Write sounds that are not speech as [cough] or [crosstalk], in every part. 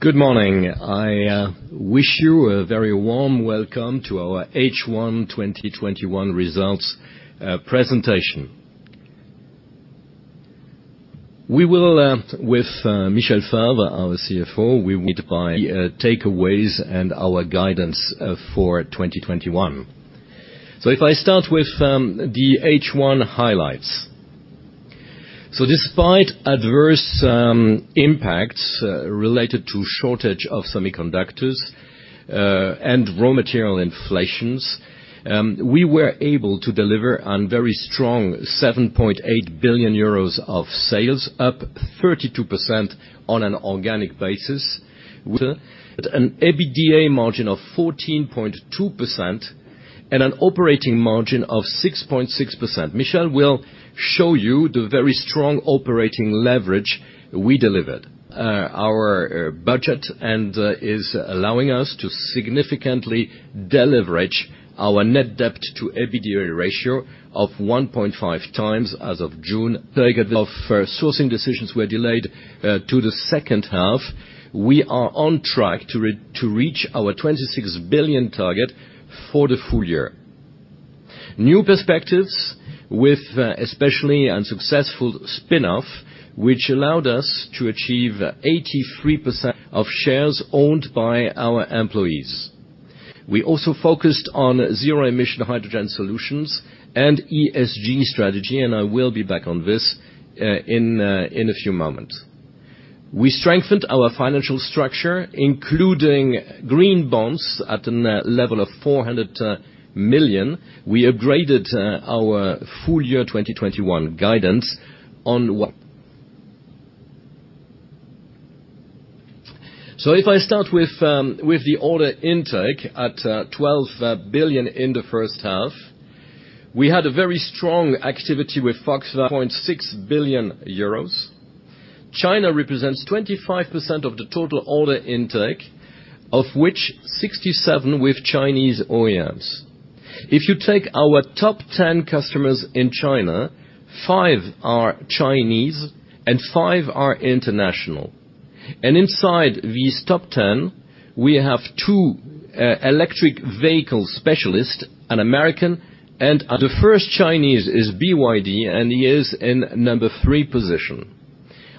Good morning. I wish you a very warm welcome to our H1 2021 results presentation. We will, with Michel Favre, our CFO, provide takeaways and our guidance for 2021. If I start with the H1 highlights. Despite adverse impacts related to the shortage of semiconductors and raw material inflation, we were able to deliver on very strong 7.8 billion euros of sales, up 32% on an organic basis, with an EBITDA margin of 14.2% and an operating margin of 6.6%. Michel will show you the very strong operating leverage we delivered. Our budget is allowing us to significantly deleverage our net debt-to-EBITDA ratio of 1.5x as of June. Our sourcing decisions were delayed to the second half. We are on track to reach our 26 billion target for the full year. New Perspectives strategy, with an especially a successful spin-off, which allowed us to achieve 83% of shares owned by our employees. We also focused on zero-emission hydrogen solutions and ESG strategy. I will be back on this in a few moments. We strengthened our financial structure, including green bonds, at a level of 400 million. We upgraded our full-year 2021 guidance on [audio distortion] If I start with the order intake at 12 billion in the first half, we had a very strong activity with Volkswagen for 2.6 billion euros. China represents 25% of the total order intake, of which 67% with Chinese OEMs. If you take our top 10 customers in China, five are Chinese, and five are international. Inside these top 10, we have two electric vehicle specialists. The first Chinese is BYD, and he is in number three position.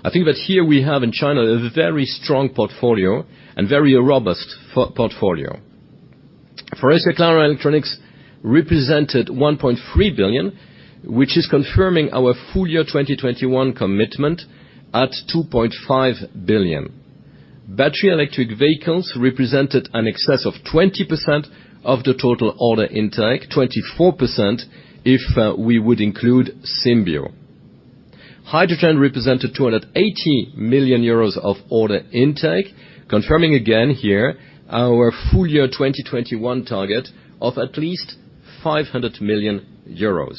I think that here we have in China a very strong portfolio and a very robust portfolio. Faurecia Clarion Electronics represented 1.3 billion, which confirms our full-year 2021 commitment at 2.5 billion. Battery electric vehicles represented an excess of 20% of the total order intake, 24% if we would include Symbio. Hydrogen represented 280 million euros of order intake, confirming again here our full-year 2021 target of at least 500 million euros.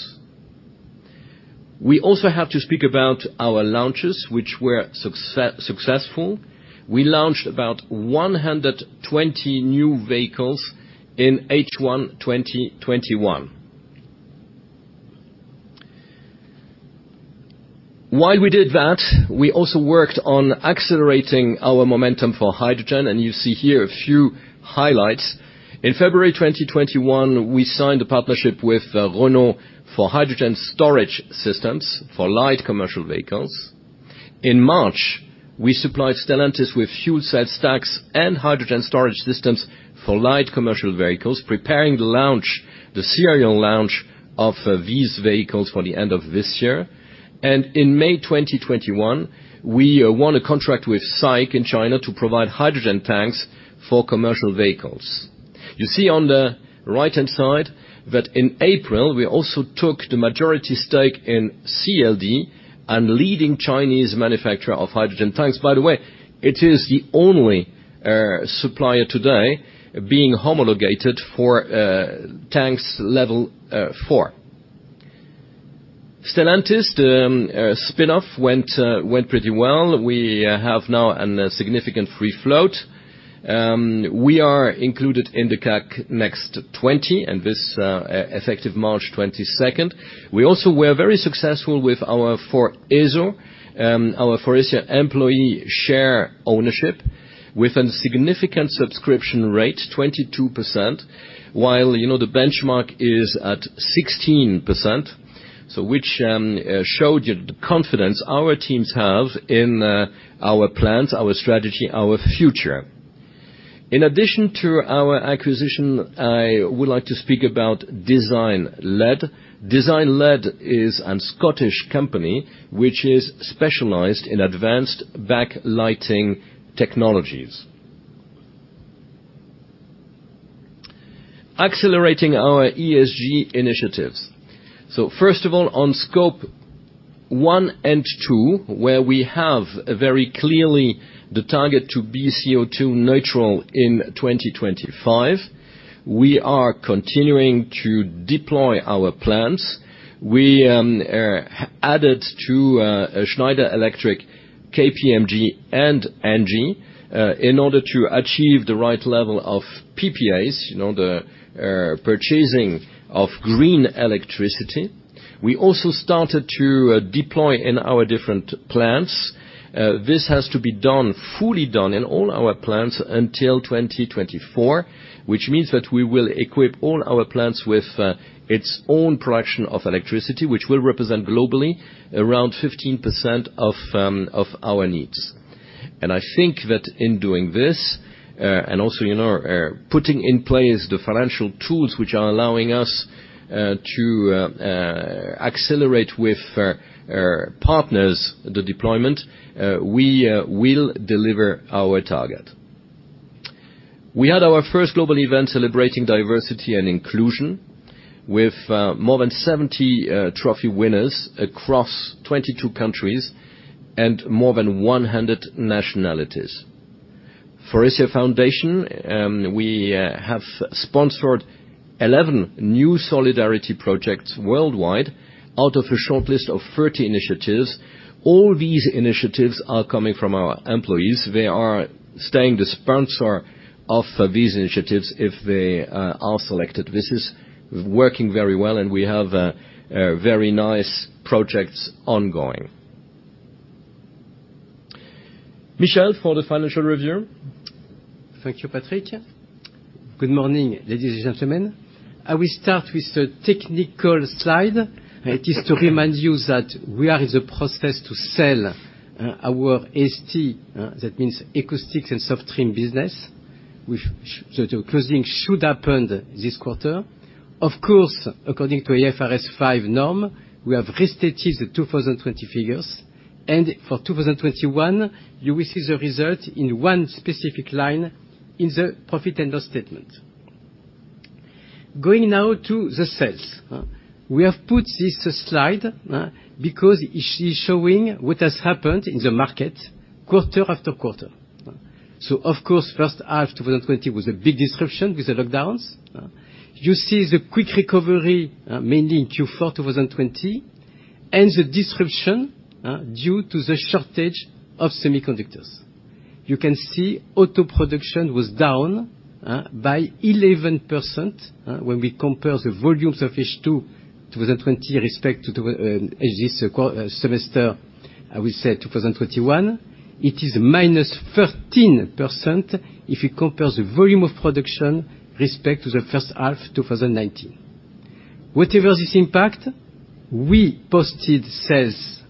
We also have to speak about our launches, which were successful. We launched about 120 new vehicles in H1 2021. While we did that, we also worked on accelerating our momentum for hydrogen, and you see here a few highlights. In February 2021, we signed a partnership with Renault for hydrogen storage systems for light commercial vehicles. In March, we supplied Stellantis with fuel cell stacks and hydrogen storage systems for light commercial vehicles, preparing the launch—the serial launch—of these vehicles for the end of this year. In May 2021, we won a contract with SAIC in China to provide hydrogen tanks for commercial vehicles. You see on the right-hand side that in April, we also took the majority stake in CLD, a leading Chinese manufacturer of hydrogen tanks. It is the only supplier today being homologated for Type IV tanks. Stellantis spin-off went pretty well. We now have a significant free float. We are included in the CAC Next 20, effective March 22nd. We were also very successful with our Faur'ESO, our Faurecia employee share ownership, with a significant subscription rate, 22%, while the benchmark is at 16%. This showed you the confidence our teams have in our plans, our strategy, and our future. In addition to our acquisition, I would like to speak about DesignLED. DesignLED is a Scottish company which is specialized in advanced backlighting technologies. Accelerating our ESG initiatives. First of all, on Scope 1 and 2, where we have a very clear target to be CO2 neutral in 2025. We are continuing to deploy our plans. We added Schneider Electric, KPMG, and ENGIE in order to achieve the right level of PPAs, the purchase of green electricity. We also started to deploy in our different plants. This has to be fully done in all our plants until 2024, which means that we will equip all our plants with their own production of electricity, which will represent globally around 15% of our needs. I think that in doing this, and also putting in place the financial tools that are allowing us to accelerate with partners the deployment, we will deliver our target. We had our first global event celebrating diversity and inclusion with more than 70 trophy winners across 22 countries and more than 100 nationalities. Faurecia Foundation, we have sponsored 11 new solidarity projects worldwide out of a short list of 30 initiatives. All these initiatives are coming from our employees. They are staying the sponsor of these initiatives if they are selected. This is working very well, and we have very nice projects ongoing. Michel, for the financial review. Thank you, Patrick. Good morning, ladies and gentlemen. I will start with a technical slide. It is to remind you that we are in the process of selling our AST, which means Acoustics and Soft Trim, business. The closing should happen this quarter. Of course, according to IFRS 5, we have restated the 2020 figures. For 2021, you will see the result in one specific line in the profit and loss statement. Going now to the sales. We have put this slide up because it shows what has happened in the market quarter after quarter. Of course, the first half of 2020 was a big disruption with the lockdowns. You see the quick recovery, mainly in Q4 2020, and the disruption due to the shortage of semiconductors. You can see auto production was down by 11% when we compare the volumes of H2 2020 with respect to this semester, I will say 2021. It is -13% if you compare the volume of production with respect to the first half of 2019. Whatever the impact, we posted sales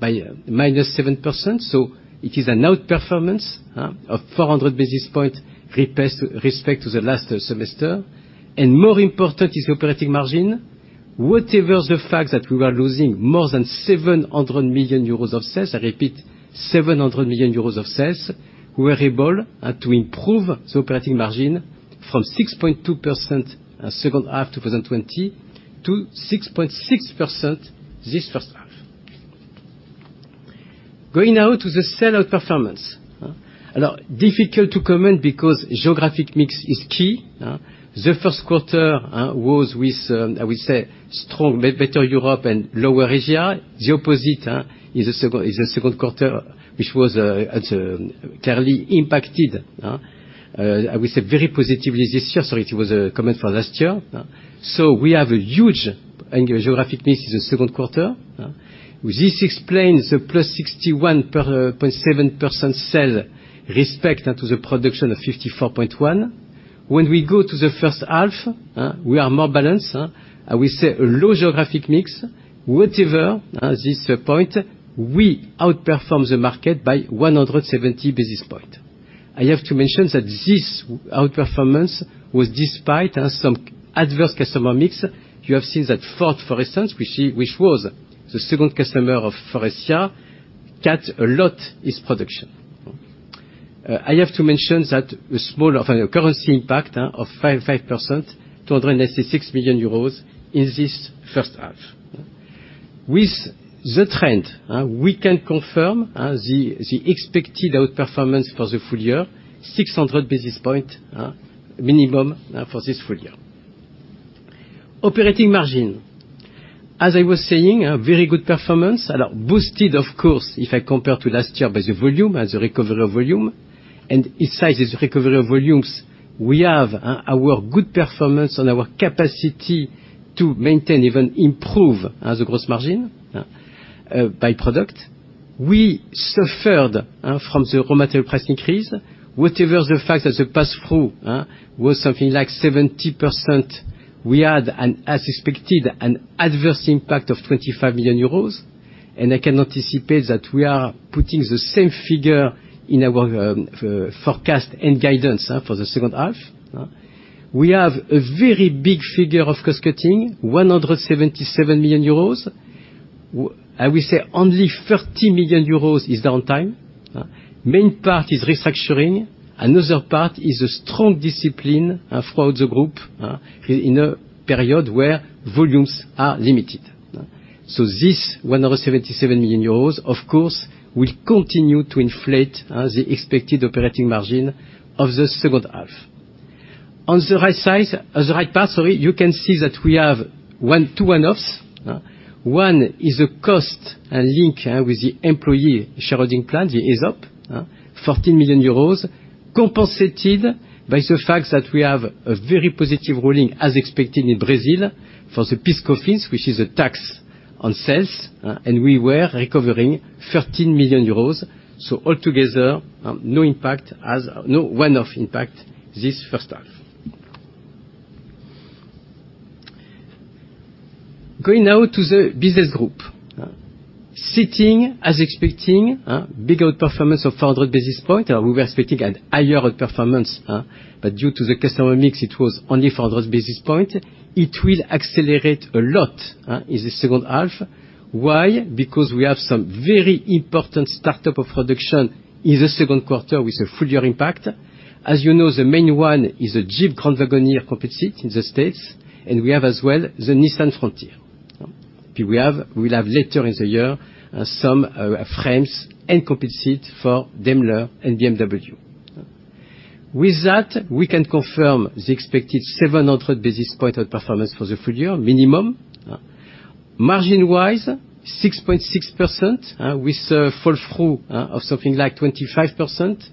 by -7%. It is an outperformance of 400 basis points with respect to the last semester. More important is the operating margin. Whatever the fact that we were losing more than 700 million euros of sales, I repeat, 700 million euros of sales, we were able to improve the operating margin from 6.2% second half of 2020 to 6.6% this first half. Going now to the sales outperformance. Difficult to comment because geographic mix is key. The first quarter was with, I would say, better Europe and lower Asia. The opposite is the second quarter, which was clearly impacted. I would say very positively this year, sorry, it was a comment for last year. We have a huge geographic mix in the second quarter. This explains the +61.7% sale respect to the production of 54.1%. When we go to the first half, we are more balanced. I would say a low geographic mix. Whatever the point, we outperform the market by 170 basis points. I have to mention that this outperformance was despite some adverse customer mix. You have seen that Ford, for instance, which was the second customer of Faurecia, cut a lot of its production. I have to mention that a small currency impact of 5.5%, EUR 286 million, in the first half. With the trend, we can confirm the expected outperformance for the full year, 600 basis points minimum for this full year. Operating margin. As I was saying, a very good performance and boosted, of course, if I compare it to last year by the volume, the recovery of volume. Inside this recovery of volumes, we have our good performance and our capacity to maintain, even improve, the gross margin by product. We suffered from the raw material pricing increase. Whatever the fact that the pass-through was something like 70%, we had, as expected, an adverse impact of 25 million euros. I can anticipate that we are putting the same figure in our forecast and guidance for the second half. We have a very big figure for cost-cutting, 177 million euros. I will say only 30 million euros is downtime. The main part is restructuring. Another part is a strong discipline throughout the group in a period where volumes are limited. This 177 million euros, of course, will continue to inflate the expected operating margin of the second half. On the right page, sorry, you can see that we have two one-offs. One is a cost linked with the employee shareholding plan, the ESOP, 14 million euros. Compensated by the fact that we have a very positive ruling as expected in Brazil for the PIS-Cofins, which is a tax on sales, and we were recovering 13 million euros. Altogether, no one-off impact in the first half. Going now to the business group. Seating, as expected, big outperformance of 400 basis points. We were expecting a higher outperformance, but due to the customer mix, it was only 400 basis points. It will accelerate a lot in the second half. Why? Because we have some very important startups of production in the second quarter with a full-year impact. As you know, the main one is the Jeep Grand Wagoneer complete seats in the States, and we have as well the Nissan Frontier. We'll have later in the year some frames and complete seats for Daimler and BMW. With that, we can confirm the expected 700 basis points outperformance for the full year minimum. Margin-wise, 6.6% with a fall-through of something like 25%.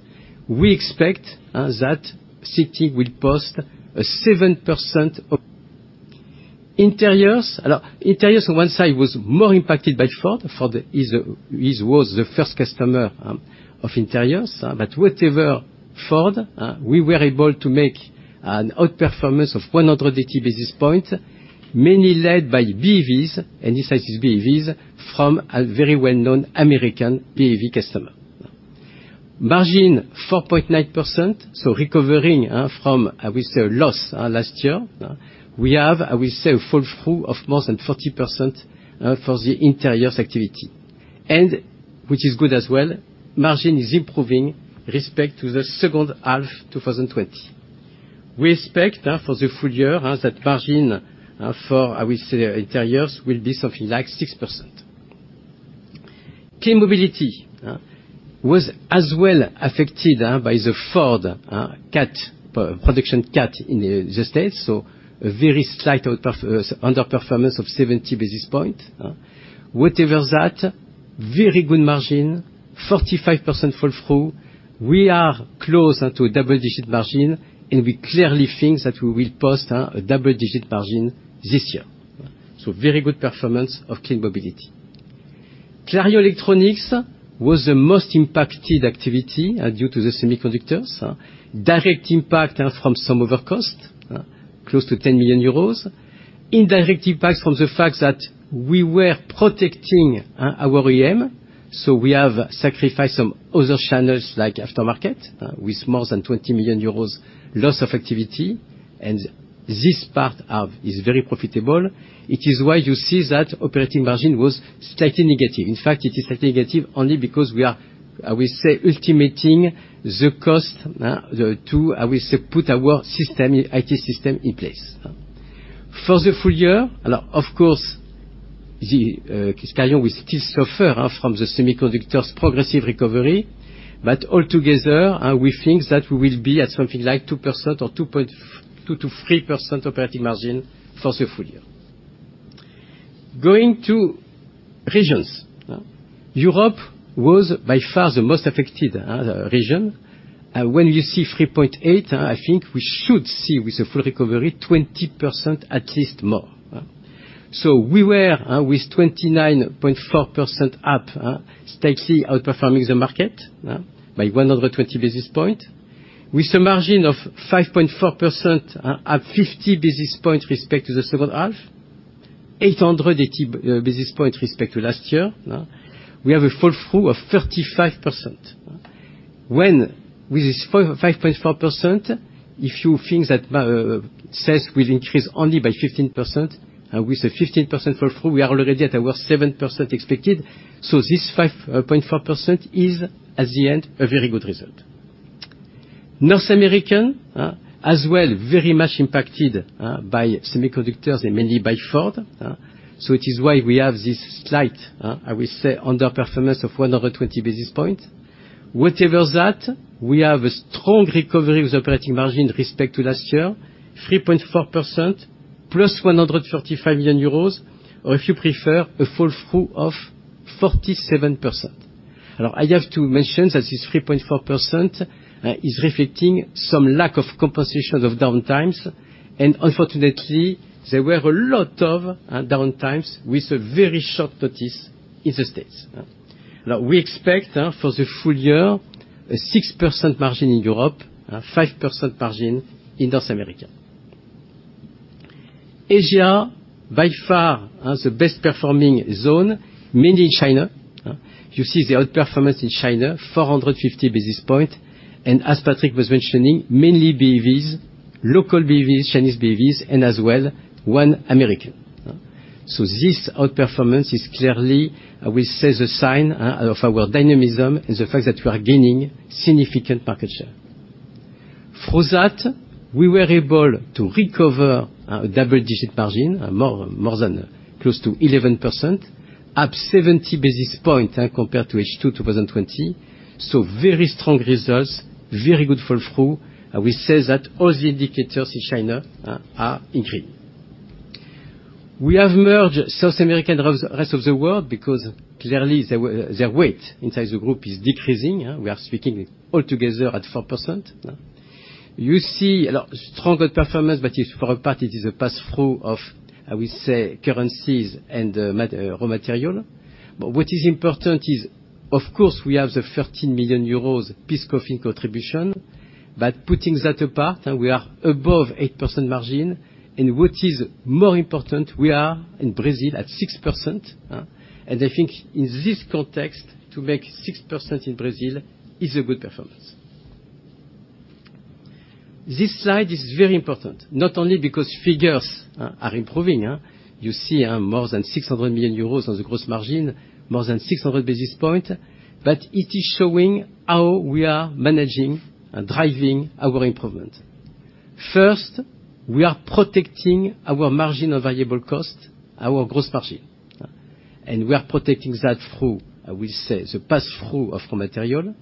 We expect that Seating will post a 7% of. [audio distortion] Interiors, on one side, were more impacted by Ford. Ford was the first customer of Interiors. Whatever Ford, we were able to make an outperformance of 180 basis points, mainly led by BEVs, and this BEVs from a very well-known American BEV customer. Margin 4.9%, so recovering from, I will say, a loss last year. We have, I will say, a fall-through of more than 40% for the Interiors activity. Which is good as well, the margin is improving with respect to the second half of 2020. We expect for the full year that margin for, I will say, Interiors will be something like 6%. Clean Mobility was as well affected by the Ford production cut in the States, so a very slight underperformance of 70 basis points. Whatever that, very good margin, 45% fall-through. We are close now to a double-digit margin, and we clearly think that we will post a double-digit margin this year. Very good performance of Clean Mobility. Clarion Electronics was the most impacted activity due to the semiconductors. Direct impact from some overcost, close to 10 million euros. Indirect impact from the fact that we were protecting our OEM, so we have sacrificed some other channels, like the aftermarket, with more than 20 million euros loss of activity, and this part is very profitable. This is why you see that the operating margin was slightly negative. In fact, it is slightly negative only because we are, I will say, estimating the cost to, I will say, put our IT system in place. For the full year, of course, Clarion will still suffer from the semiconductors' progressive recovery. Altogether, we think that we will be at something like 2% or 2%-3% operating margin for the full year. Going to regions. Europe was by far the most affected region. When you see 3.8%, I think we should see, with a full recovery, 20% at least more. We were, with 29.4% up, slightly outperforming the market by 120 basis points, with a margin of 5.4% up 50 basis points with respect to the second half, 880 basis points with respect to last year. We have a fall-through of 35%. With this 5.4%, if you think that sales will increase only by 15%, with a 15% fall-through, we are already at our 7% expected. This 5.4% is, at the end, a very good result. North American as well, is very much impacted by semiconductors and mainly by Ford. It is why we have this slight, I will say, underperformance of 120 basis points. Whatever that, we have a strong recovery with operating margin respect to last year, 3.4% plus 135 million euros, or if you prefer, a fall-through of 47%. I have to mention that this 3.4% is reflecting some lack of compensation for downtimes, and unfortunately, there were a lot of downtimes with very short notice in the U.S. We expect for the full year a 6% margin in Europe, 5% margin in North America. Asia, by far the best performing zone, is mainly in China. If you see the outperformance in China, 450 basis points. As Patrick was mentioning, mainly BEVs, local BEVs, Chinese BEVs, and as well one American. This outperformance is clearly, I will say, the sign of our dynamism and the fact that we are gaining significant market share. For that, we were able to recover a double-digit margin, more than close to 11%, up 70 basis points compared to H2 2020. We say that all the indicators in China are increasing. We have merged South America and the Rest of the World because clearly, their weight inside the group is decreasing. We are speaking altogether at 4%. You see stronger performance, but for a part, it is a pass-through of, I would say, currencies and raw materials. What is important is, of course, that we have the 13 million euros PIS-Cofins contribution. Putting that apart, we are above 8% margin. What is more important, we are in Brazil at 6%. I think in this context, to make 6% in Brazil is a good performance. This slide is very important, not only because figures are improving. You see more than 600 million euros on the gross margin, more than 600 basis points, but it is showing how we are managing and driving our improvement. First, we are protecting our margin of variable cost, our gross margin. We are protecting that through, I will say, the pass-through of raw material,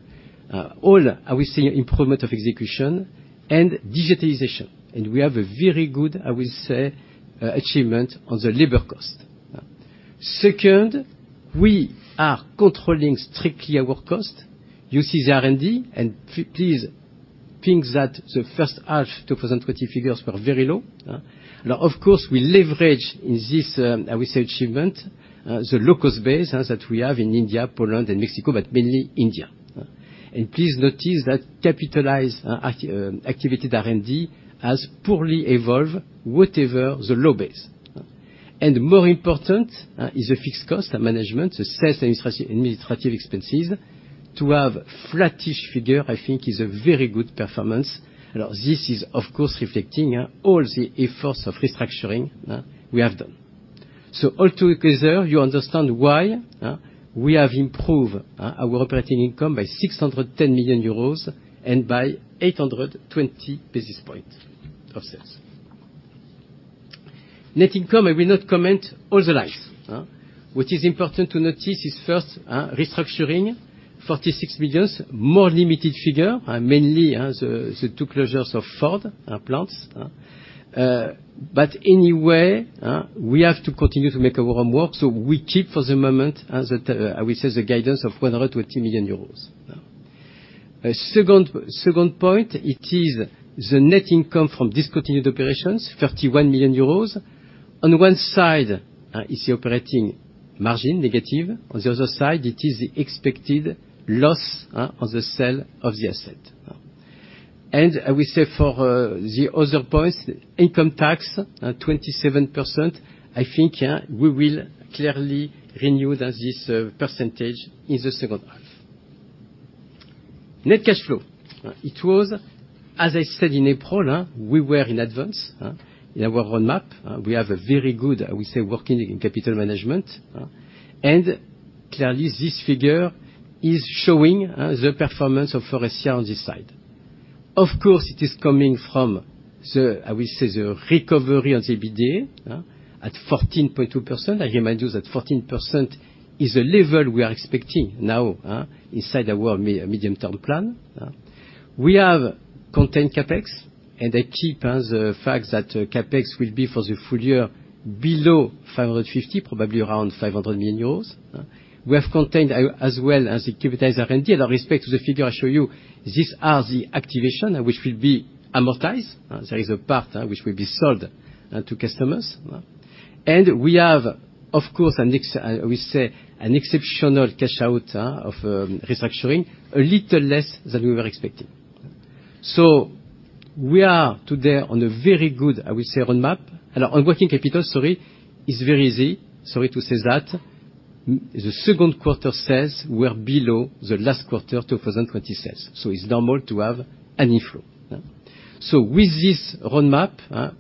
all, I will say, improvement of execution, and digitalization. We have a very good, I will say, achievement in the labor cost. Second, we are controlling our costs strictly. You see the R&D, and please think that the first half of 2020 figures were very low. Of course, we leverage this, I would say, achievement, the low cost base that we have in India, Poland, and Mexico, but mainly India. Please notice that capitalized R&D has poorly evolved, whatever the low base. More important is the fixed cost management, the sales administrative expenses. To have a flattish figure, I think, is a very good performance. This is, of course, reflecting all the efforts of restructuring we have done. Altogether, you understand why we have improved our operating income by 610 million euros and by 820 basis points of sales. Net income, I will not comment on all the lines. What is important to notice is first, restructuring, 46 million, a more limited figure, mainly the two closures of Ford plants. Anyway, we have to continue to do our homework, so we keep for the moment, the guidance of 120 million euros. Second point, it is the net income from discontinued operations, 31 million euros. On one side, the operating margin is negative. On the other side, it is the expected loss on the sale of the asset. I will say for the other points, income tax, 27%, I think we will clearly renew this percentage in the second half. Net cash flow. It was, as I said, in April, we were in advance in our roadmap. We have a very good working capital management. Clearly, this figure shows the performance of Faurecia on this side. Of course, it is coming from the recovery in the EBITDA at 14.2%. I remind you that 14% is the level we are expecting now inside our medium-term plan. We have contained CapEx, and I keep the fact that CapEx will be for the full year below 550 million, probably around 500 million euros. We have also contained as well the capitalized R&D. With respect to the figure I show you, these are the activations that will be amortized. There is a part that will be sold to customers. We have, of course, I will say, an exceptional cash out of restructuring, a little less than we were expecting. We are today on a very good, I would say, roadmap. On working capital, sorry, it's very easy, sorry to say that, the second quarter sales were below the last quarter of 2020 sales. It's normal to have an inflow. With this roadmap, I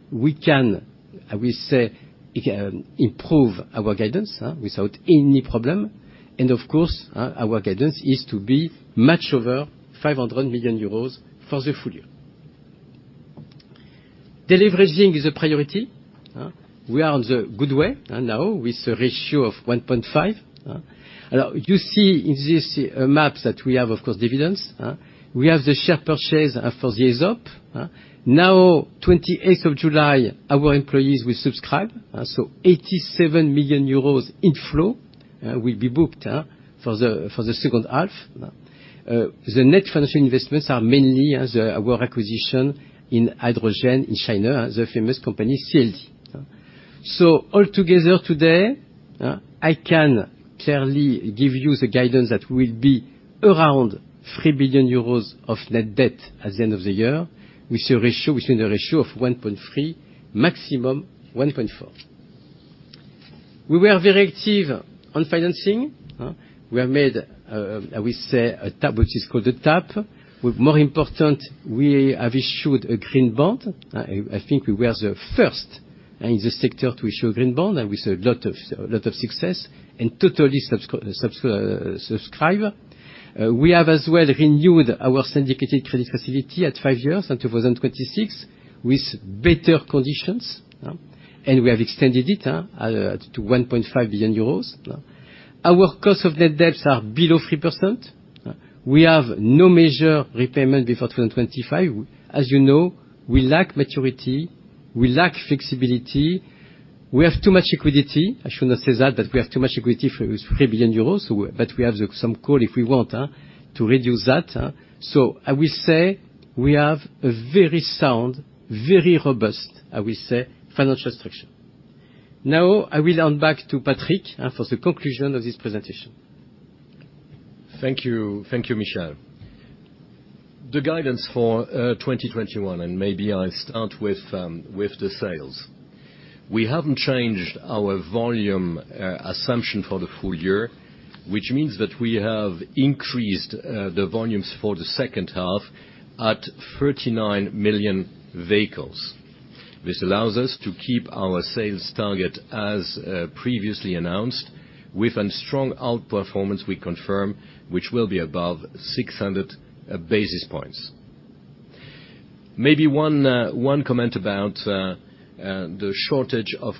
will say we can improve our guidance without any problem. Of course, our guidance is to be much over 500 million euros for the full year. Deleveraging is a priority. We are on the good way now with a ratio of 1.5x. You see in this map that we have, of course, dividends. We have the share purchase for the ESOP. On the 28th of July, our employees will subscribe, so an inflow of 87 million euros will be booked for the second half. The net financial investments are mainly our acquisition of hydrogen in China, the famous company, CLD. Altogether today, I can clearly give you the guidance that we will be around 3 billion euros of net debt at the end of the year within a ratio of 1.3x, maximum 1.4x. We were very active in financing. We have made, I will say, what is called the tap issuance. More importantly, we have issued a green bond. I think we were the first in the sector to issue a green bond, and with a lot of success, and totally subscribed. We have also renewed our syndicated credit facility at five years, to 2026, with better conditions. We have extended it to 1.5 billion euros. Our cost of net debts is below 3%. We have no major repayment before 2025. As you know, we have maturity, we have flexibility. We have too much liquidity. I shouldn't say that, but we have too much liquidity, 3 billion euros, but we have some call if we want to reduce that. I will say we have a very sound, very robust, I will say, financial structure. Now, I will hand back to Patrick for the conclusion of this presentation. Thank you, Michel. The guidance for 2021, and maybe I'll start with the sales. We haven't changed our volume assumption for the full year, which means that we have increased the volumes for the second half to 39 million vehicles. This allows us to keep our sales target as previously announced, with a strong outperformance, which we confirm will be above 600 basis points. One comment about the shortage of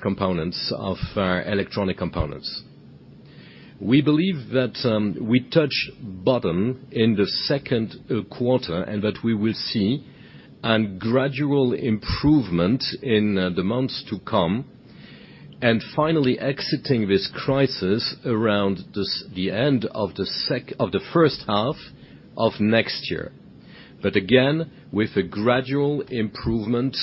electronic components. We believe that we touch bottom in the second quarter, and that we will see a gradual improvement in the months to come. Finally, exiting this crisis around the end of the first half of next year. But again, with a gradual improvement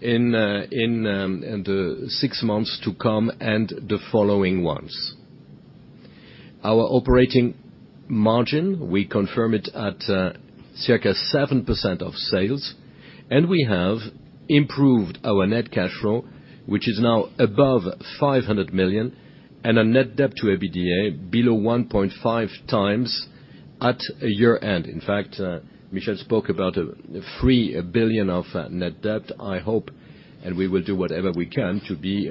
in the six months to come, and the following ones. Our operating margin, we confirm it at circa 7% of sales. We have improved our net cash flow, which is now above 500 million, and a net debt-to-EBITDA below 1.5x at year-end. In fact, Michel spoke about 3 billion of net debt. I hope that we will do whatever we can to be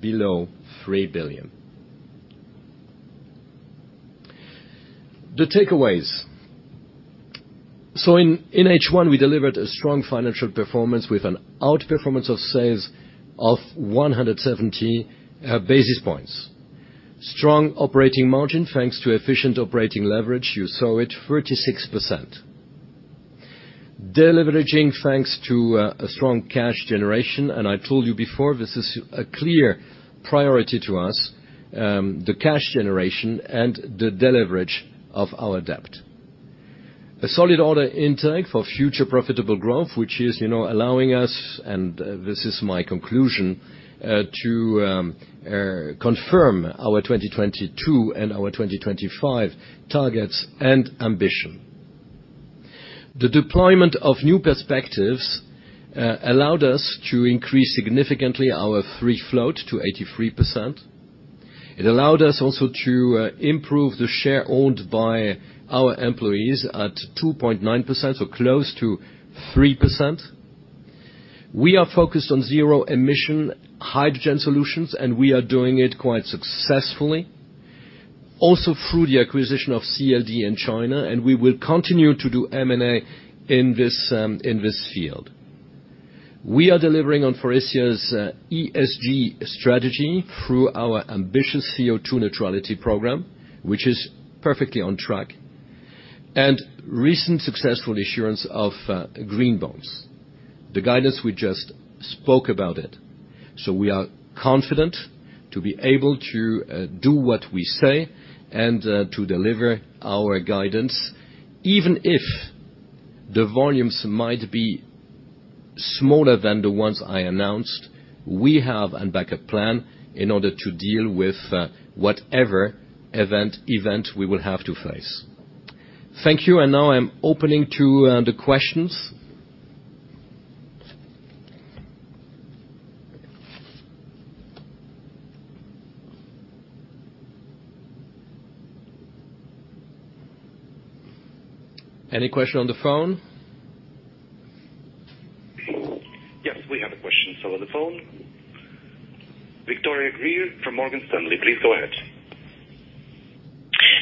below 3 billion. The takeaways. In H1, we delivered a strong financial performance with an outperformance of sales of 170 basis points. Strong operating margin, thanks to efficient operating leverage. You saw it, 36%. Deleveraging, thanks to a strong cash generation. I told you before, this is a clear priority to us, the cash generation and the deleveraging of our debt. A solid order intake for future profitable growth, which is allowing us, and this is my conclusion, to confirm our 2022 and our 2025 targets and ambitions. The deployment of New Perspectives allowed us to increase our free float significantly to 83%. It also allowed us to improve the share owned by our employees at 2.9%, so close to 3%. We are focused on zero-emission hydrogen solutions, and we are doing it quite successfully. Also, through the acquisition of CLD in China, we will continue to do M&A in this field. We are delivering on Faurecia's ESG strategy through our ambitious CO2 neutrality program, which is perfectly on track. Recent successful issuance of green bonds. The guidance, we just spoke about it. We are confident to be able to do what we say and to deliver our guidance. Even if the volumes might be smaller than the ones I announced, we have a backup plan in order to deal with whatever event we will have to face. Thank you, and now I'm opening up to the questions. Any questions on the phone? Yes, we have a question from the phone. Victoria Greer from Morgan Stanley. Please go ahead.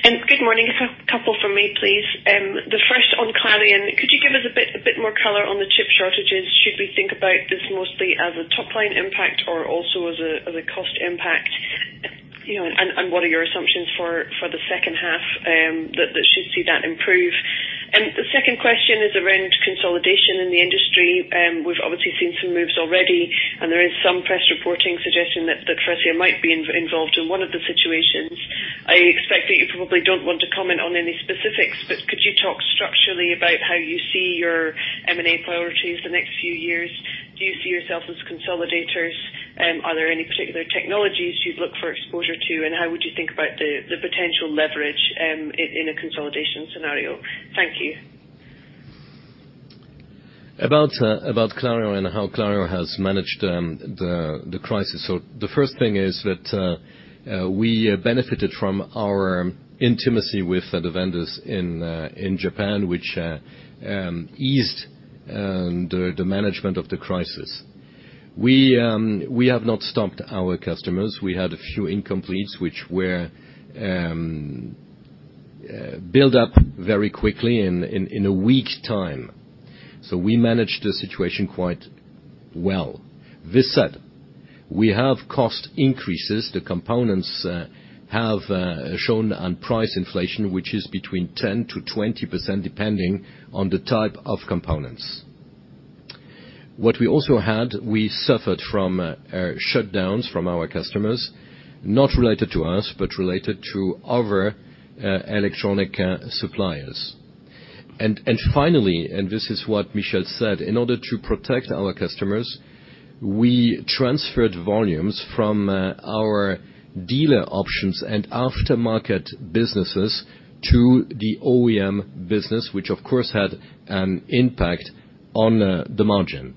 Good morning. A couple from me, please. The first in Clarion. Could you give us a bit more color on the chip shortages? Should we think about this mostly as a top-line impact or also as a cost impact? What are your assumptions for the second half that should see that improve? The second question is around consolidation in the industry. We've obviously seen some moves already, and there is some press reporting suggesting that Faurecia might be involved in one of the situations. I expect that you probably don't want to comment on any specifics, but could you talk structurally about how you see your M&A priorities for the next few years? Do you see yourself as a consolidator? Are there any particular technologies you'd look for exposure to? How would you think about the potential leverage in a consolidation scenario? Thank you. About Clarion and how Clarion has managed the crisis. The first thing is that we benefited from our intimacy with the vendors in Japan, which eased the management of the crisis. We have not stopped our customers. We had a few incompletes that had built up very quickly in a week's time. We managed the situation quite well. This said, we have cost increases. The components have shown on price inflation, which is between 10%-20%, depending on the type of components. What we also suffered from were shutdowns from our customers, not related to us, but related to other electronic suppliers. Finally, this is what Michel said, in order to protect our customers, we transferred volumes from our dealer options and aftermarket businesses to the OEM business, which, of course, had an impact on the margin.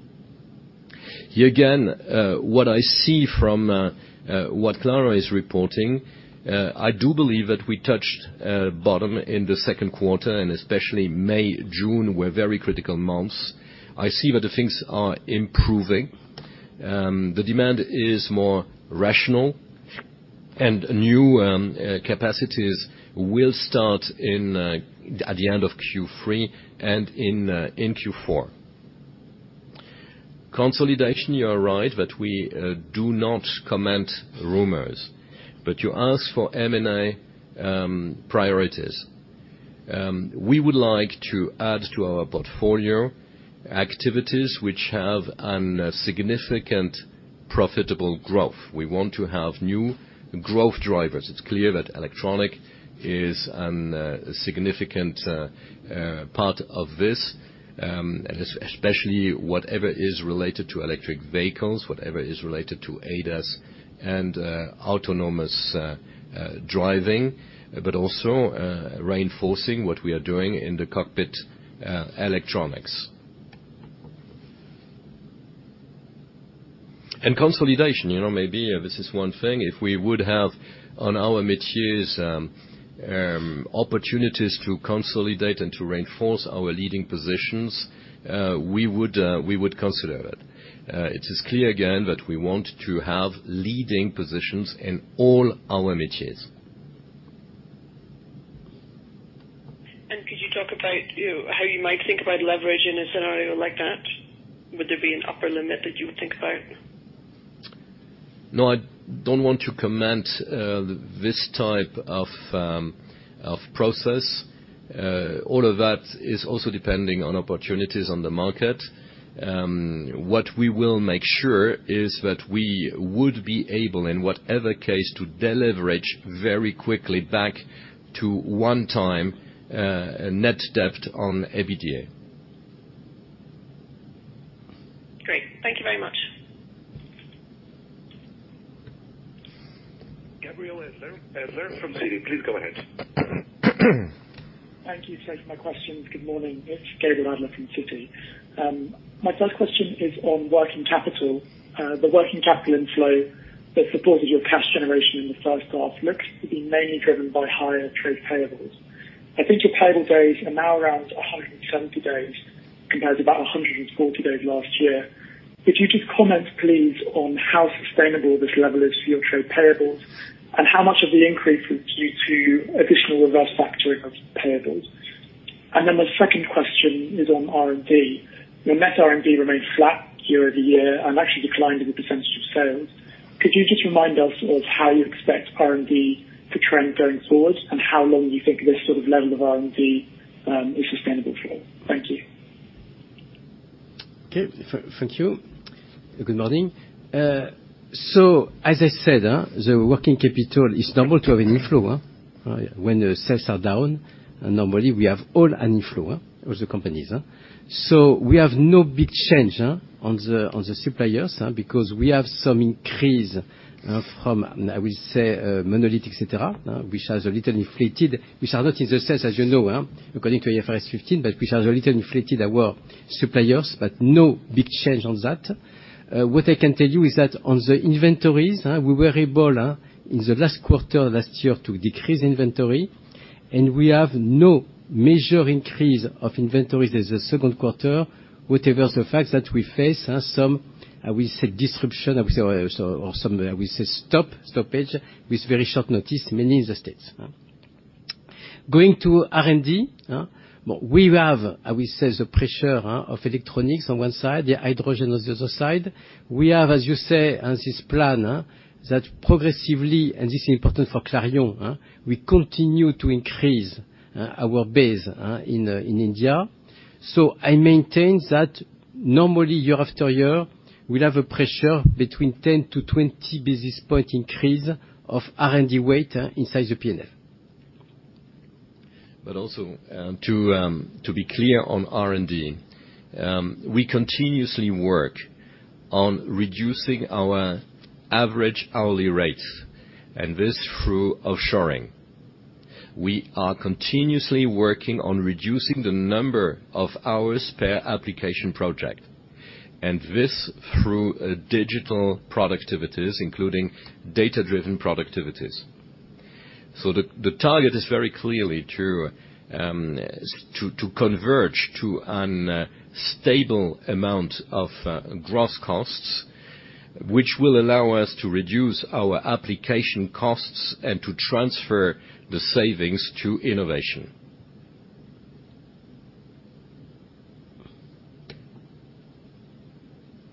Here again, what I see from what Clarion is reporting, I do believe that we touched bottom in the second quarter, and especially May and June were very critical months. I see that things are improving. The demand is more rational, and new capacities will start at the end of Q3 and in Q4. Consolidation, you are right that we do not comment on rumors. You ask for M&A priorities. We would like to add to our portfolio activities that have a significant profitable growth. We want to have new growth drivers. It's clear that electronics is a significant part of this, especially whatever is related to electric vehicles, whatever is related to ADAS and autonomous driving, but also reinforcing what we are doing in the cockpit electronics. Consolidation, maybe this is one thing. If we had opportunities in our markets to consolidate and to reinforce our leading positions, we would consider it. It is clear again that we want to have leading positions in all our markets. Could you talk about how you might think about leveraging a scenario like that? Would there be an upper limit that you would think about? I don't want to comment on this type of process. All of that is also dependent on opportunities in the market. What we will make sure of is that we will be able, in whatever case, to deleverage very quickly back to 1x net debt-to-EBITDA. Great. Thank you very much. Gabriel Adler from Citi, please go ahead. Thank you. Thanks for my questions. Good morning. It is Gabriel Adler from Citi. My first question is on working capital. The working capital inflow that supported your cash generation in the first half looks to be mainly driven by higher trade payables. I think your payable days are now around 170 days, compared to about 140 days last year. Could you just comment, please, on how sustainable this level is for your trade payables, and how much of the increase was due to additional reverse factoring of payables? The second question is on R&D. Your net R&D remained flat year-over-year and actually declined as a percentage of sales. Could you just remind us of how you expect R&D to trend going forward, and how long you think this sort of level of R&D is sustainable for? Thank you. Okay. Thank you. Good morning. As I said, the working capital is normal to have an inflow when the sales are down. Normally, we have an inflow of companies. We have no big change on the suppliers because we have some increase from, I will say, monolith, et cetera, which have a little inflated, which are not in the sales, as you know, according to IFRS 15, but which have a little inflated our suppliers, but no big change on that. What I can tell you is that on the inventories, we were able, in the last quarter, last year, to decrease inventory, and we have no major increase in inventories as in the second quarter. Whatever the facts that we face, some disruption or some stoppage with very short notice, mainly in the U.S. Going to R&D, we have, I will say, the pressure of electronics on one side, and the hydrogen on the other side. We have, as you say, this plan that progressively, and this is important for Clarion, we continue to increase our base in India. I maintain that normally, year after year, we'll have a pressure between 10 basis points to 20 basis points increase of R&D weight inside the P&L. Also, to be clear on R&D, we continuously work on reducing our average hourly rates, and this is through offshoring. We are continuously working on reducing the number of hours per application project. This involves digital productivity, including data-driven productivity. The target is very clearly to converge to a stable amount of gross costs, which will allow us to reduce our application costs and to transfer the savings to innovation.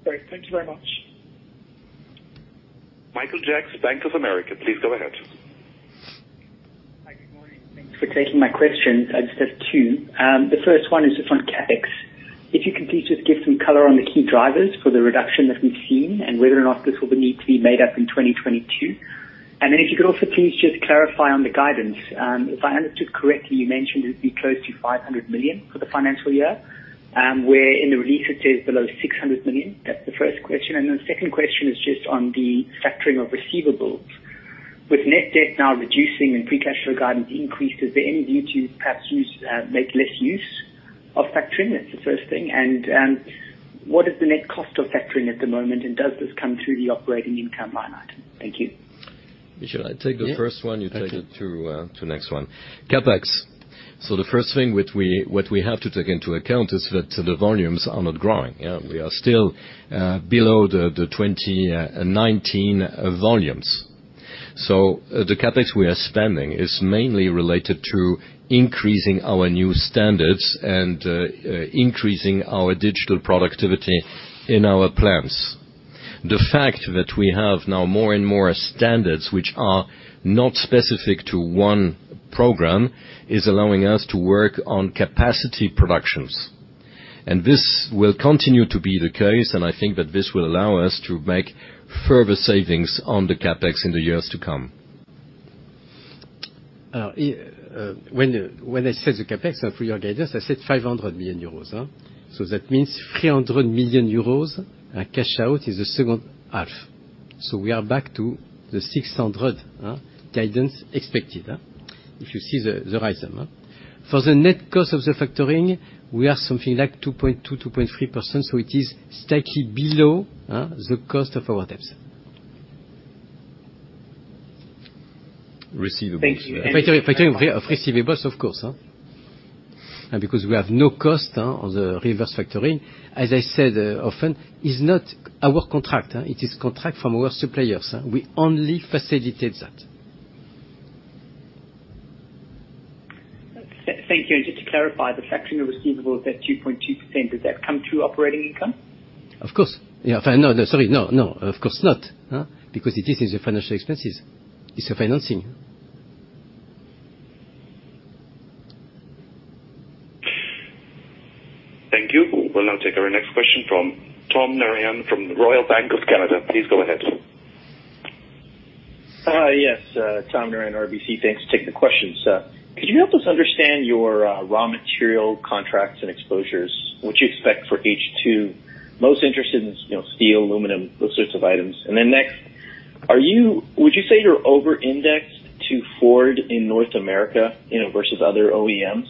Great. Thank you very much. Michael Jacks, Bank of America, please go ahead. Hi, good morning. Thanks for taking my questions. I just have two. The first one is just on CapEx. If you can, please just give some color on the key drivers for the reduction that we've seen and whether or not this will need to be made up in 2022. If you could also please just clarify the guidance. If I understood correctly, you mentioned it'd be close to 500 million for the financial year, whereas in the release it says below 600 million. That's the first question. The second question is just on the factoring of receivables. With net debt now reducing and free cash flow guidance increasing, is there any need to perhaps make less use of factoring? That's the first thing. What is the net cost of factoring at the moment, and does this come through the operating income line item? Thank you. Michel, I take the first one, you take the other two, to the next one. CapEx. The first thing we have to take into account is that the volumes are not growing. We are still below the 2019 volumes. The CapEx we are spending is mainly related to increasing our new standards and increasing our digital productivity in our plants. The fact that we now have more and more standards which are not specific to one program, is allowing us to work on capacity productions. This will continue to be the case, and I think that this will allow us to make further savings on the CapEx in the years to come. When I said the CapEx for your guidance, I said 500 million euros. That means the 300 million euros cash out is in the second half. We are back to the 600 guidance expected. If you see the release. For the net cost of the factoring, we are something like 2.2%-2.3%, so it is slightly below the cost of our debts. Receivables. Thank you. Factoring of receivables, of course. Because we have no cost on the reverse factoring. As I said, often, it's not our contract. It is a contract from our suppliers. We only facilitate that. Thank you. Just to clarify the factoring of receivables at 2.2%, does that come through operating income? Of course. No, sorry. No, of course not. It is in the financial expenses. It's a financing. Thank you. We will now take our next question from Tom Narayan from the Royal Bank of Canada. Please go ahead. Yes, Tom Narayan, RBC. Thanks for taking the question. Could you help us understand your raw material contracts and exposures? What you expect for H2, most interested in steel, aluminum, those sorts of items. Next, would you say you're over-indexed to Ford in North America, versus other OEMs?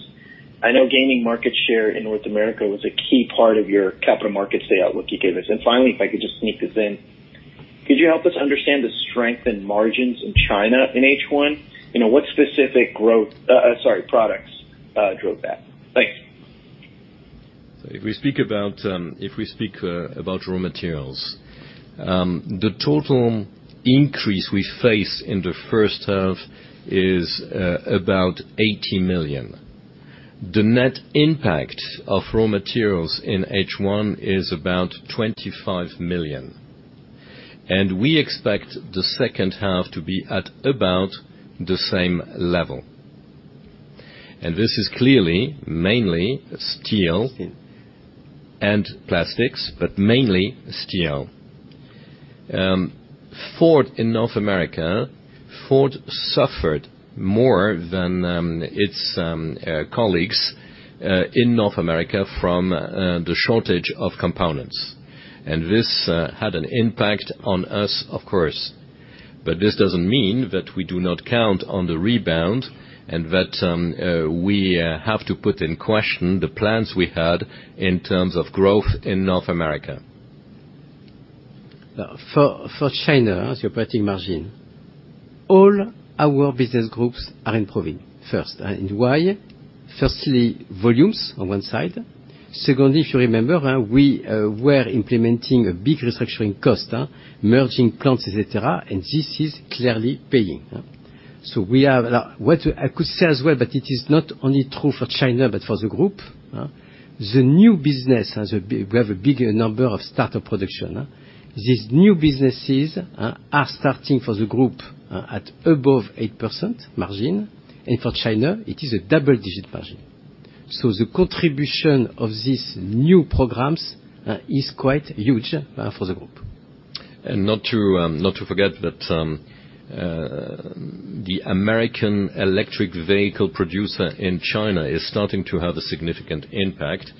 I know that gaining market share in North America was a key part of your capital market outlook you gave us. Finally, if I could just sneak this in, could you help us understand the strength in margins in China in H1? What specific products drove that? Thanks. If we speak about raw materials, the total increase we face in the first half is about 80 million. The net impact of raw materials in H1 is about 25 million. We expect the second half to be at about the same level. This is clearly mainly steel and plastics, but mainly steel. Ford in North America, Ford suffered more than its competitors in North America from the shortage of components. This had an impact on us, of course. This doesn't mean that we do not count on the rebound and that we have to put in question the plans we had in terms of growth in North America. For China, as your operating margin, all our business groups are improving first. Why? Firstly, volumes on one side. Secondly, if you remember, we were implementing a big restructuring cost, merging plants, et cetera, and this is clearly paying. I could say as well, but it is not only true for China, but for the group. The new business has a bigger number of startup productions. These new businesses are starting for the group at an above 8% margin. For China, it is a double-digit margin. The contribution of these new programs is quite huge for the group. Not to forget that the American electric vehicle producer in China is starting to have a significant impact.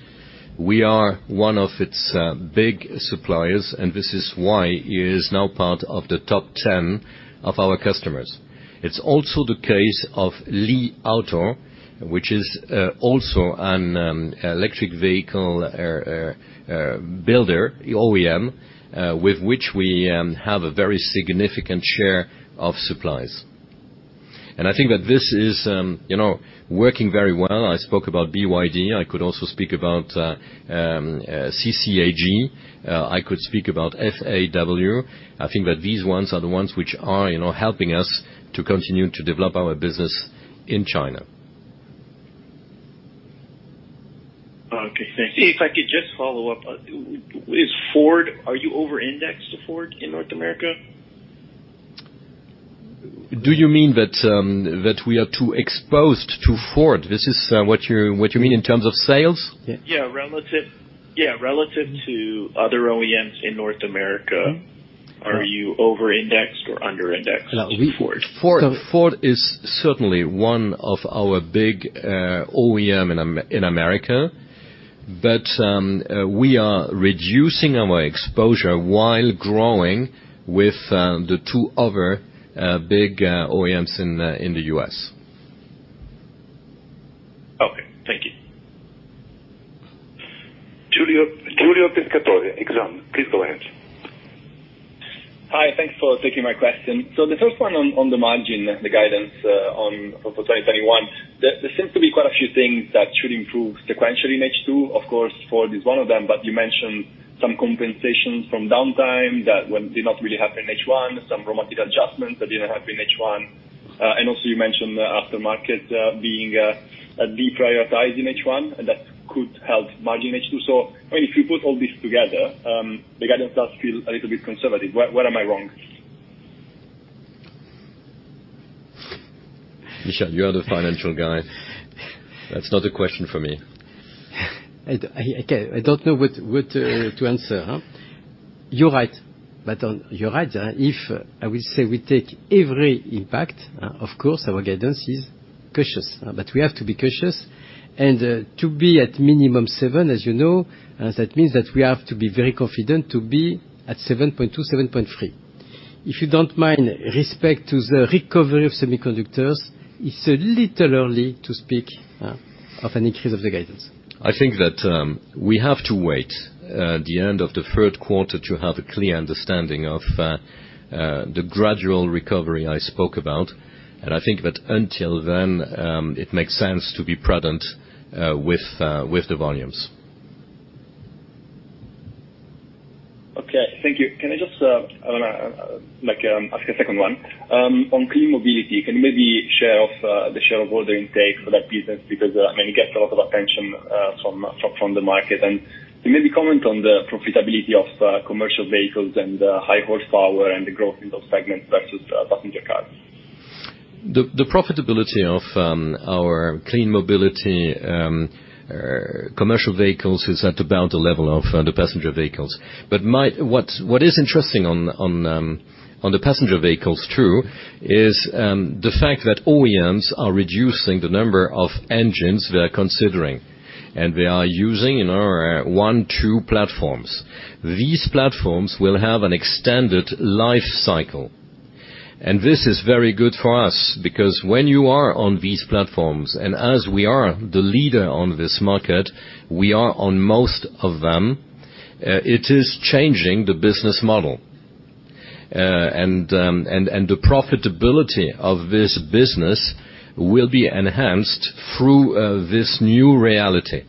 We are one of its big suppliers, and this is why it is now part of the top 10 of our customers. It is also the case of Li Auto, which is also an electric vehicle builder, OEM, with which we have a very significant share of supplies. I think that this is working very well. I spoke about BYD. I could also speak about Chery. I could speak about FAW. I think that these ones are the ones that are helping us to continue to develop our business in China. Okay, thank you. If I could just follow up. With Ford, are you over-indexed to Ford in North America? Do you mean that we are too exposed to Ford? This is what you mean in terms of sales? Yeah. Relative to other OEMs in North America, are you over-indexed or under-indexed to Ford? Ford is certainly one of our big OEMs in America, but we are reducing our exposure while growing with the two other big OEMs in the U.S. Okay. Thank you. Giulio Pescatore, Exane. Please go ahead. Hi, thanks for taking my question. The first one on the margin, the guidance for 2021. There seems to be quite a few things that should improve sequentially in H2. Of course, Ford is one of them. You mentioned some compensations from downtime that did not really happen in H1, and some raw mat adjustments that didn't happen in H1. You mentioned the aftermarket being deprioritized in H1, which could help margin H2. If you put all this together, the guidance does feel a little bit conservative. Where am I wrong? Michel, you are the financial guy. That's not a question for me. Okay. I don't know what to answer. You're right, if I were to say we take every impact, of course, our guidance is cautious. We have to be cautious and to be at a minimum 7%, as you know, that means that we have to be very confident to be at 7.2% or 7.3%. If you don't mind, with respect to the recovery of semiconductors, it's a little early to speak of any increase in guidance. I think that we have to wait until the end of the third quarter to have a clear understanding of the gradual recovery I spoke about. I think that until then, it makes sense to be prudent with the volumes. Okay, thank you. Can I just ask a second one? On Clean Mobility, can you maybe share off the share of order intake for that business because it gets a lot of attention from the market? Maybe comment on the profitability of commercial vehicles and high horsepower, and the growth in those segments versus passenger cars. The profitability of our Clean Mobility commercial vehicles is at about the level of the passenger vehicles. What is interesting about the passenger vehicles, too, is the fact that OEMs are reducing the number of engines they are considering, and they are using one to two platforms. These platforms will have an extended life cycle. This is very good for us because when you are on these platforms, and as we are the leader in this market, we are on most of them. It is changing the business model. The profitability of this business will be enhanced through this new reality.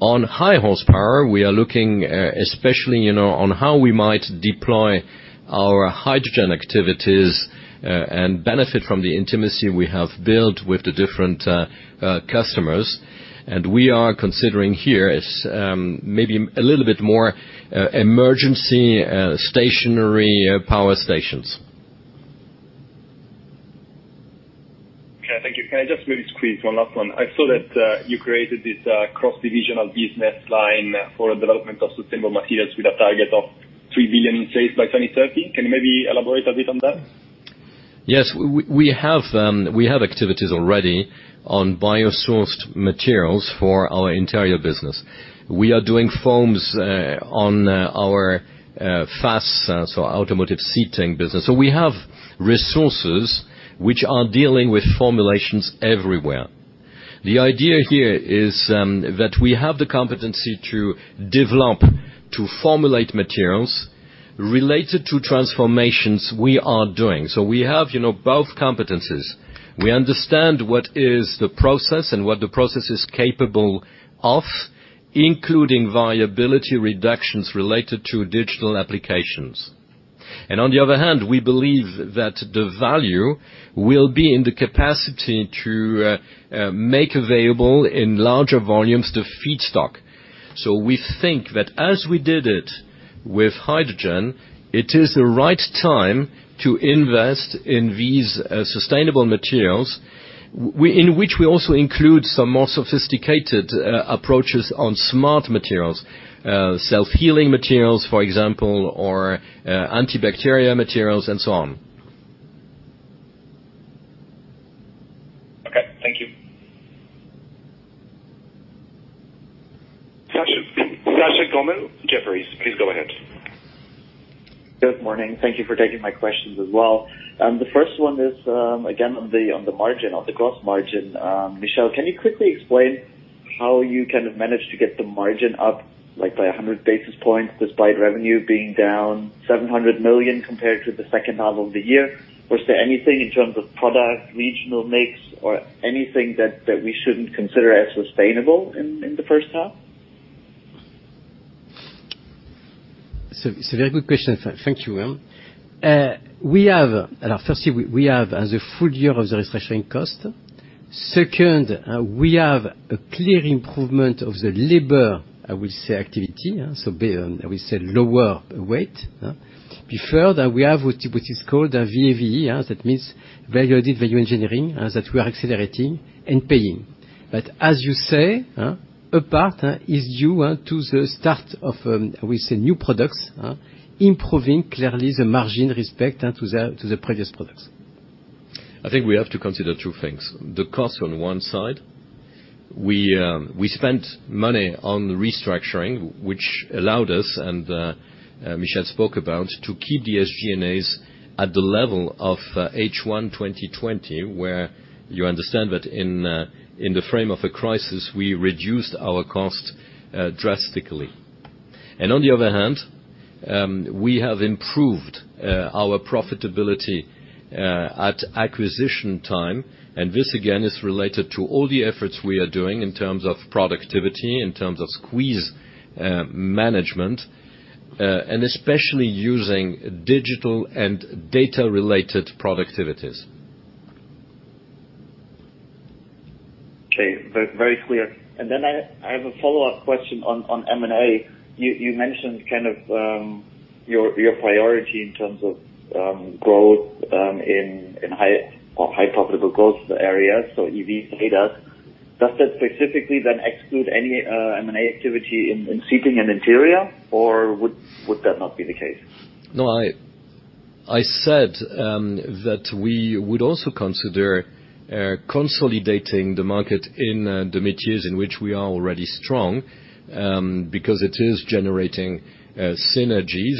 On high horsepower, we are looking especially at how we might deploy our hydrogen activities and benefit from the intimacy we have built with the different customers. We are considering here as maybe a little bit more emergency, stationary power stations. Okay, thank you. Can I just really squeeze one last one? I saw that you created this cross-divisional business line for the development of sustainable materials with a target of 3 billion in sales by 2030. Can you maybe elaborate a bit on that? Yes. We have activities already on bio-sourced materials for our Interiors business. We are doing foams on our FAS, Faurecia Automotive Seating business. We have resources which are dealing with formulations everywhere. The idea here is that we have the competency to develop and formulate materials related to the transformations we are doing. We have both competencies. We understand what the process is and what the process is capable of, including viability reductions related to digital applications. On the other hand, we believe that the value will be in the capacity to make available in larger volumes the feedstock. We think that, as we did with hydrogen, it is the right time to invest in these sustainable materials, in which we also include some more sophisticated approaches on smart materials, self-healing materials, for example, or antibacterial materials, and so on. Okay. Thank you. Sascha Gommel, Jefferies. Please go ahead. Good morning. Thank you for taking my questions as well. The first one is, again, on the margin, on the gross margin. Michel, can you quickly explain how you managed to get the margin up by 100 basis points despite revenue being down 700 million compared to the second half of the year? Was there anything in terms of product, regional mix, or anything that we shouldn't consider as sustainable in the first half? It's a very good question. Thank you. Firstly, we have the full year of the restructuring cost. Second, we have a clear improvement of the labor, I will say, activity. I will say lower weight. Before that, we have what is called VAVE. That means Value Analysis/Value Engineering, which we are accelerating and paying. As you say, apart is due to the start of, we say, new products, improving clearly the margin with respect to the previous products. I think we have to consider two things. The cost on one side. We spent money on restructuring, which allowed us, as Michel spoke about, to keep the SG&A at the level of H1 2020, where you understand that in the frame of a crisis, we reduced our costs drastically. On the other hand, we have improved our profitability at acquisition time. This, again, is related to all the efforts we are making in terms of productivity, in terms of squeeze management, and especially using digital and data-related productivity. Okay. Very clear. I have a follow-up question on M&A. You mentioned your priority in terms of growth in highly profitable growth areas, so EV and ADAS. Does that specifically exclude any M&A activity in Seating and Interiors, or would that not be the case? No, I said that we would also consider consolidating the market in the niches in which we are already strong, because it is generating synergies.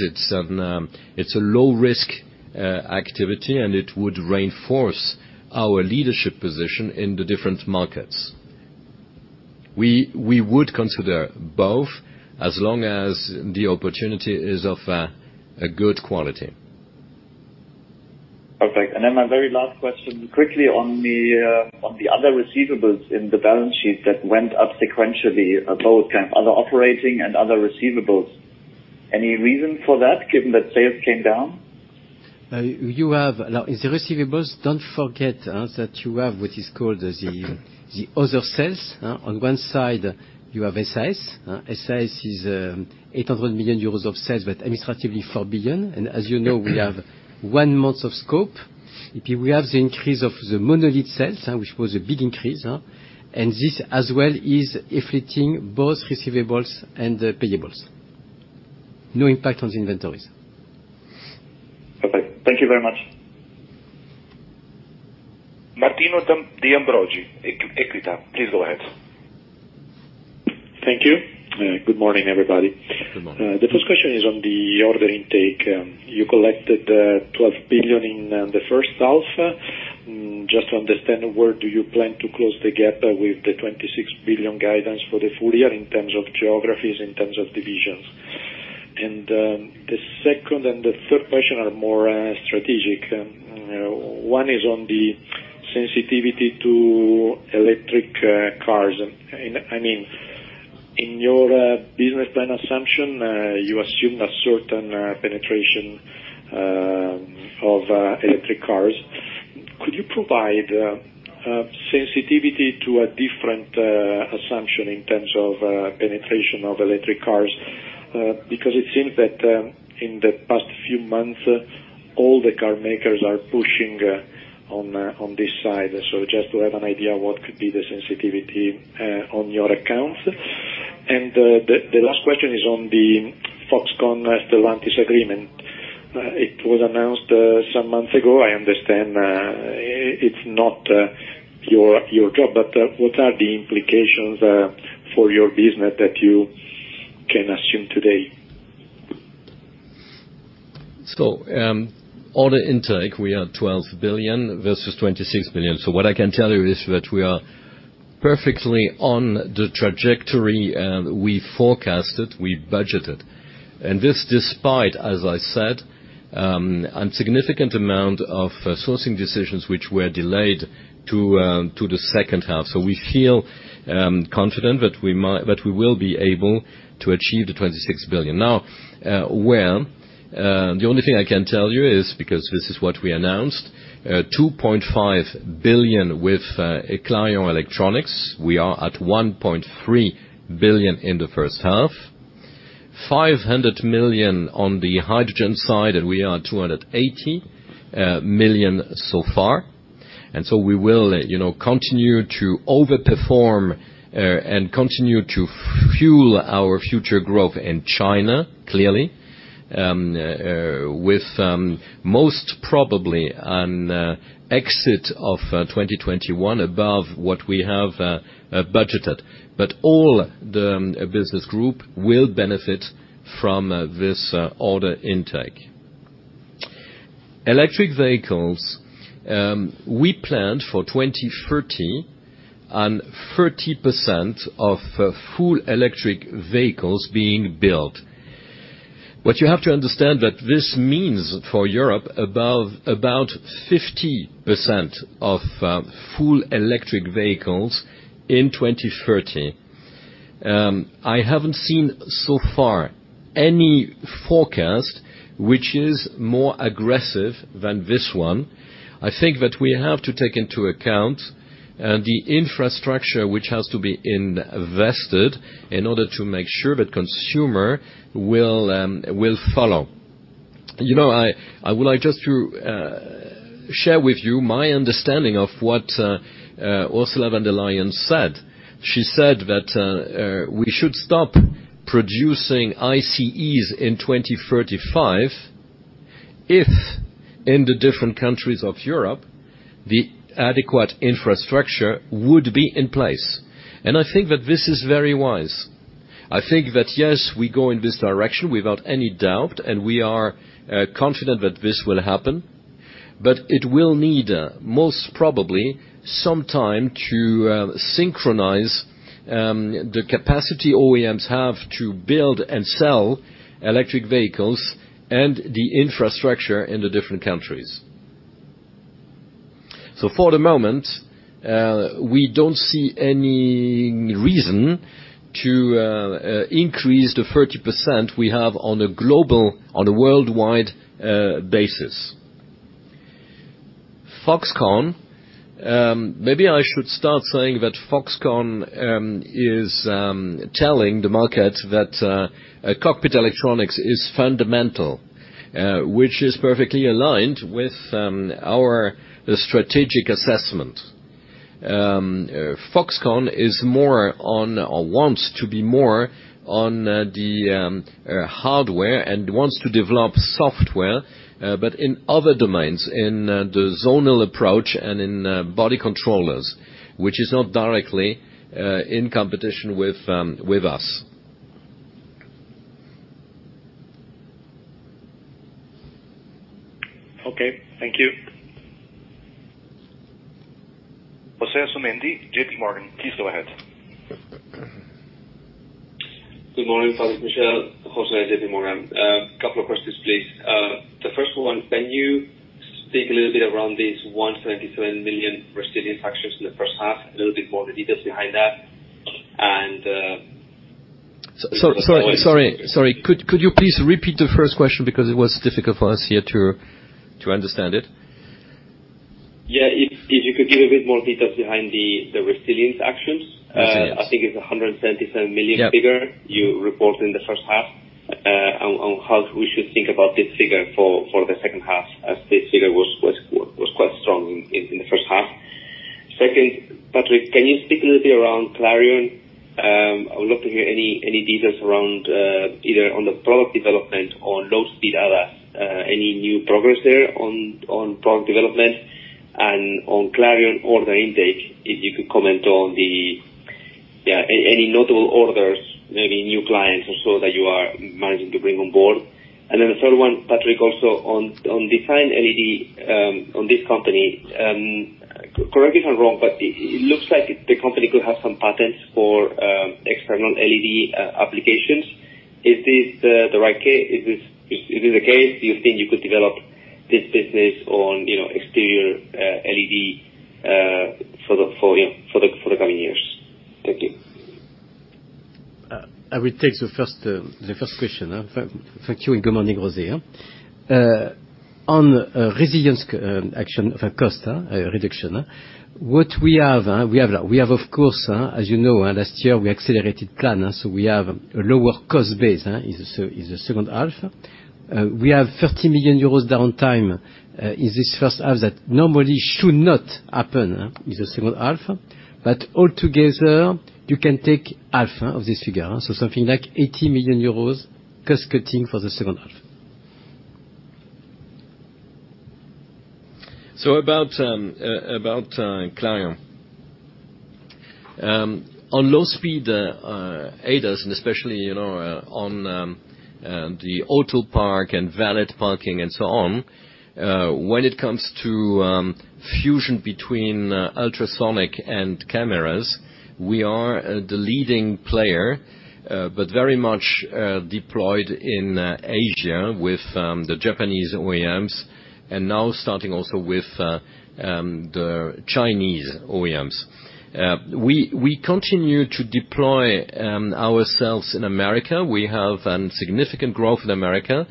It's a low-risk activity, and it would reinforce our leadership position in the different markets. We would consider both, as long as the opportunity is of good quality. Perfect. My very last question, quickly, on the other receivables in the balance sheet that went up sequentially, both other operating and other receivables. Any reason for that, given that sales came down? The receivables, don't forget, that you have what is called the other sales. On one side, you have SAS. SAS has 800 million euros of sales, and administratively, 4 billion. As you know, we have one month of scope. We have seen an increase in monolith sales, which was a big increase. This, as well, is affecting both receivables and payables. No impact on the inventories. Okay. Thank you very much. Martino De Ambroggi, Equita. Please go ahead. Thank you. Good morning, everybody. Good morning. The first question is on the order intake. You collected 12 billion in the first half. Just to understand, where do you plan to close the gap with the 26 billion guidance for the full year in terms of geographies, in terms of divisions? The second and the third questions are more strategic. One is on the sensitivity to electric cars. In your business plan assumption, you assume a certain penetration of electric cars. Could you provide sensitivity to a different assumption in terms of the penetration of electric cars? Because it seems that in the past few months, all the car makers have been pushing on this side. Just to have an idea of what the sensitivity could be on your accounts. The last question is on the Foxconn-Stellantis agreement. It was announced some months ago. I understand it's not your job, but what are the implications for your business that you can assume today? Order intake, we are 12 billion versus 26 billion. What I can tell you is that we are perfectly on the trajectory we forecasted, we budgeted. This, despite, as I said, a significant amount of sourcing decisions which were delayed to the second half. We feel confident that we will be able to achieve the 26 billion. Now, where? The only thing I can tell you is that this is what we announced, 2.5 billion with Clarion Electronics. We are at 1.3 billion in the first half, 500 million on the hydrogen side, and we are 280 million so far. We will continue to over-perform and continue to fuel our future growth in China, clearly, with most probably an exit of 2021 above what we have budgeted. All the business group will benefit from this order intake. Electric vehicles. We planned for 2030 on 30% of full electric vehicles being built. What you have to understand that this means for Europe, about 50% of full electric vehicles in 2030. I haven't seen any forecast so far that is more aggressive than this one. I think that we have to take into account the infrastructure that has to be invested in order to make sure that consumers will follow. I would just like to share with you my understanding of what Ursula von der Leyen said. She said that we should stop producing ICEs in 2035 if in the different countries of Europe, adequate infrastructure would be in place. I think that this is very wise. I think that, yes, we go in this direction without any doubt, we are confident that this will happen, but it will need, most probably, some time to synchronize the capacity OEMs have to build and sell electric vehicles and the infrastructure in the different countries. For the moment, we don't see any reason to increase the 30% we have on a worldwide basis. Foxconn. Maybe I should start saying that Foxconn is telling the market that cockpit electronics is fundamental, which is perfectly aligned with our strategic assessment. Foxconn wants to be more into hardware and wants to develop software, but in other domains, in the zonal approach, and in body controllers, which are not directly in competition with us. Okay. Thank you. Jose Asumendi, JPMorgan. Please go ahead. Good morning, Patrick, Michel. Jose, JPMorgan. Couple of questions, please. The first one, can you speak a little bit about these 177 million resilient factors in the first half, a little bit more the details behind that? Sorry. Could you please repeat the first question, because it was difficult for us here to understand it. Yeah. If you could give a bit more detail on the resilience actions. Yes. I think it's 177 million- Yeah. Figure you report in the first half, on how we should think about this figure for the second half, as this figure was quite strong in the first half. Patrick, can you speak a little bit about Clarion? I would love to hear any details on either the product development or low-speed ADAS. Any new progress there on product development and on Clarion order intake, if you could comment on any notable orders, maybe new clients, or so that you are managing to bring on board. The third one, Patrick, is also on DesignLED, in this company. Correct me if I'm wrong, it looks like the company could have some patents for external LED applications. Is this the right case? Is this the case? Do you think you could develop this business on exterior LED for the coming years? Thank you. I will take the first question. Thank you, and good morning, Jose. On resilience action, cost reduction. What we have, of course, as you know, last year we accelerated plan, so we have a lower cost base in the second half. We have 30 million euros downtime in this first half that normally should not happen in the second half. Altogether, you can take half of this figure. Something like 80 million euros in cost-cutting for the second half. About Clarion. On low-speed ADAS, and especially on the auto park and valet parking and so on, when it comes to fusion between ultrasonic and cameras, we are the leading player, but very much deployed in Asia with the Japanese OEMs, and now starting also with the Chinese OEMs. We continue to deploy ourselves in America. We have significant growth in America.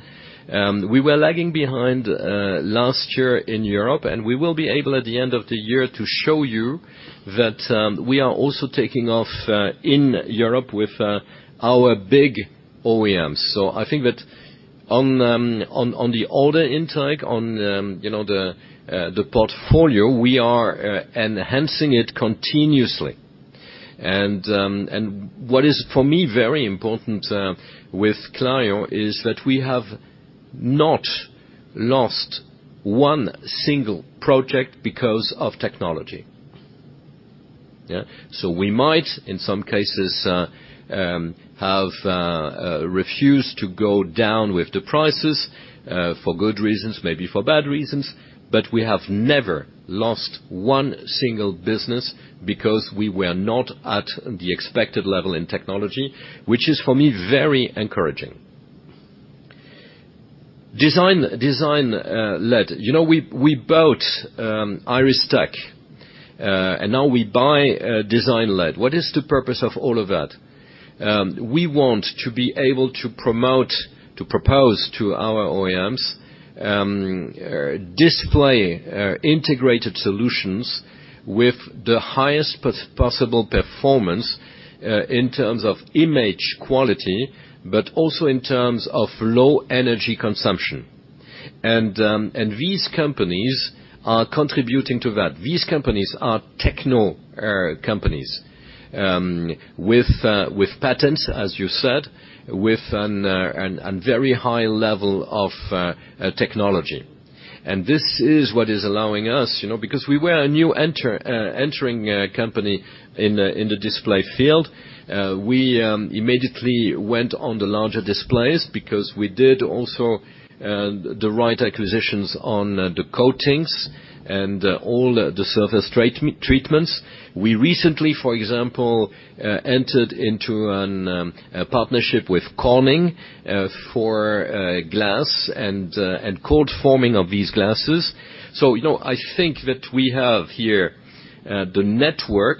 We were lagging behind last year in Europe, and we will be able at the end of the year to show you that we are also taking off in Europe with our big OEMs. I think that. On the order intake, on the portfolio, we are enhancing it continuously. What is, for me, very important with Clarion is that we have not lost one single project because of technology. We might, in some cases, have refused to go down with the prices for good reasons, maybe for bad reasons, but we have never lost one single business because we were not at the expected level in technology, which is, for me, very encouraging. DesignLED. We bought IRYStec, and now we buy DesignLED. What is the purpose of all of that? We want to be able to promote, to propose to our OEMs, display integrated solutions with the highest possible performance in terms of image quality, but also in terms of low energy consumption. These companies are contributing to that. These companies are techno companies with patents, as you said, with a very high level of technology. This is what is allowing us, because we were a new entering company in the display field, we immediately went on the larger displays because we did also the right acquisitions on the coatings and all the surface treatments. We recently, for example, entered into a partnership with Corning for glass and cold forming of these glasses. I think that we have here the network,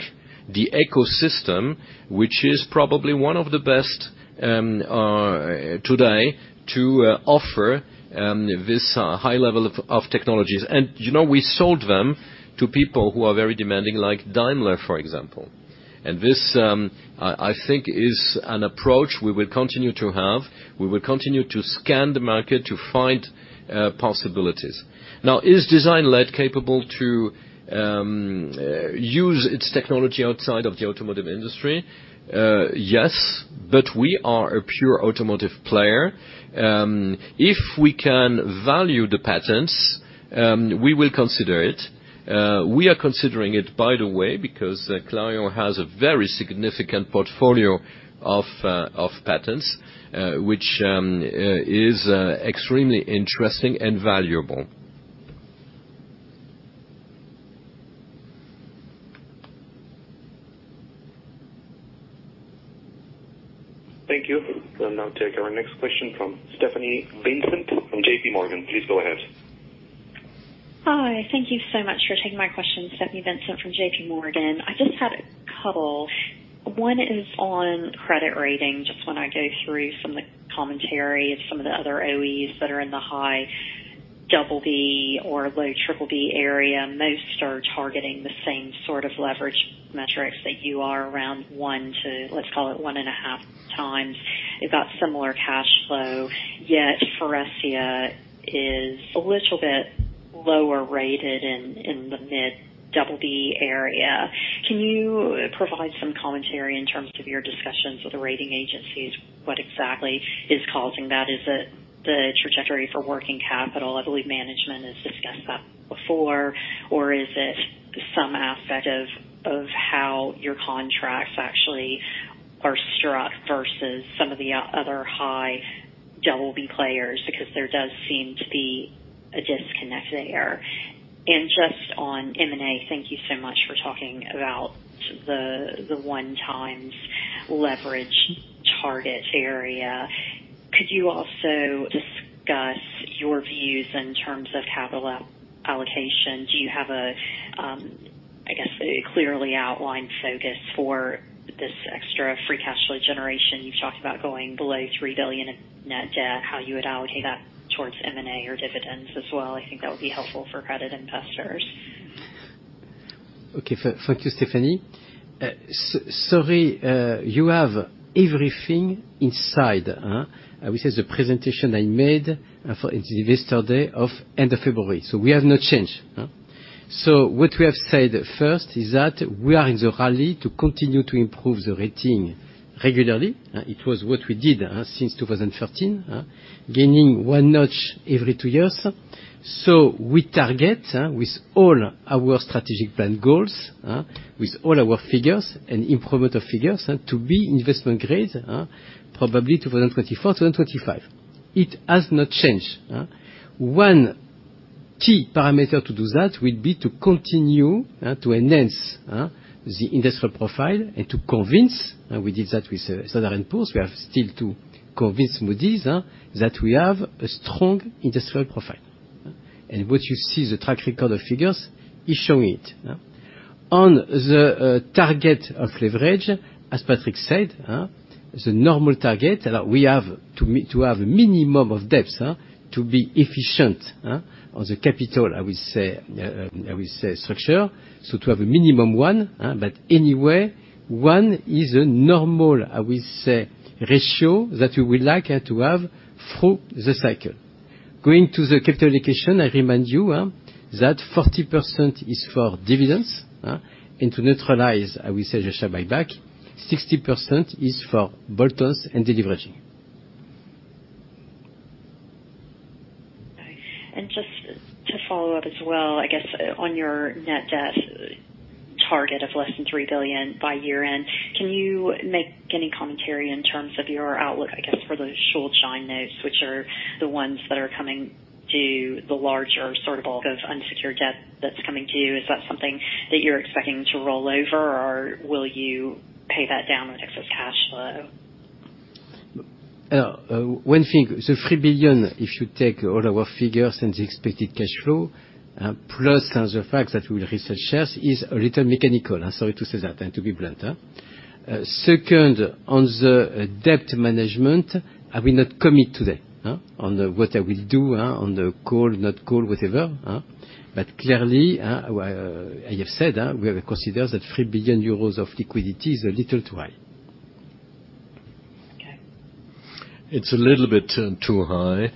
the ecosystem, which is probably one of the best today to offer this high level of technologies. We sold them to people who are very demanding, like Daimler, for example. This, I think, is an approach we will continue to have. We will continue to scan the market to find possibilities. Now, is DesignLED capable to use its technology outside of the automotive industry? Yes, we are a pure automotive player. If we can value the patents, we will consider it. We are considering it, by the way, because Clarion has a very significant portfolio of patents, which is extremely interesting and valuable. Thank you. I'll now take our next question from Stephanie Vincent from JPMorgan. Please go ahead. Hi, thank you so much for taking my question. Stephanie Vincent from JPMorgan. I just had a couple. One is on credit rating, just when I go through some of the commentary of some of the other OEMs that are in the high BB or low BBB area. Most are targeting the same sort of leverage metrics that you are around 1x to, let's call it 1.5x. You've got similar cash flow, yet Faurecia is a little bit lower rated in the mid BB area. Can you provide some commentary in terms of your discussions with the rating agencies? What exactly is causing that? Is it the trajectory for working capital? I believe management has discussed that before, or is it some aspect of how your contracts are actually struck versus some of the other high-BB players? There does seem to be a disconnect there. Just on M&A, thank you so much for talking about the 1x leverage target area. Could you also discuss your views in terms of capital allocation? Do you have a clearly outlined focus for this extra free cash flow generation? You've talked about going below 3 billion in net debt, and how you would allocate that towards M&A or dividends as well. I think that would be helpful for credit investors. Okay. Thank you, Stephanie. Sorry, you have everything inside. Which is the presentation I made for Investor Day of end of February. We have no change. What we have said first is that we are in the rally to continue to improve the rating regularly. It was what we did since 2013, gaining one notch every two years. We target with all our strategic plan goals, with all our figures and improvement of figures, to be investment grade, probably 2024-2025. It has not changed. One key parameter to do that will be to continue to enhance the industrial profile and to convince, we did that with Standard & Poor's, we have still to convince Moody's, that we have a strong industrial profile. What you see, the track record of figures is showing it. On the target of leverage, as Patrick said, the normal target, we have to have minimum of debts to be efficient on the capital, I will say, structure. To have a minimum 1x, anyway, 1x is a normal, I will say, ratio that we would like to have through the cycle. Going to the capital allocation, I remind you that 40% is for dividends, and to neutralize, we said the share buy-back, 60% is for bolt-ons and deleveraging. Okay. Just to follow up as well, I guess, on your net debt target of less than 3 billion by year-end, can you make any commentary in terms of your outlook, I guess, for those Schuldschein, which are the ones that are coming to the larger sort of bulk of unsecured debt that's coming to you? Is that something that you're expecting to roll over, or will you pay that down with excess cash flow? One thing, the 3 billion, if you take all our figures and the expected cash flow, plus the fact that we will raise shares, is a little mechanical. I am sorry to say that and to be blunt. Second, on the debt management, I will not commit today on what I will do on the call, not call, whatever. Clearly, I have said, we have considered that 3 billion euros of liquidity is a little too high. Okay. It's a little bit too high.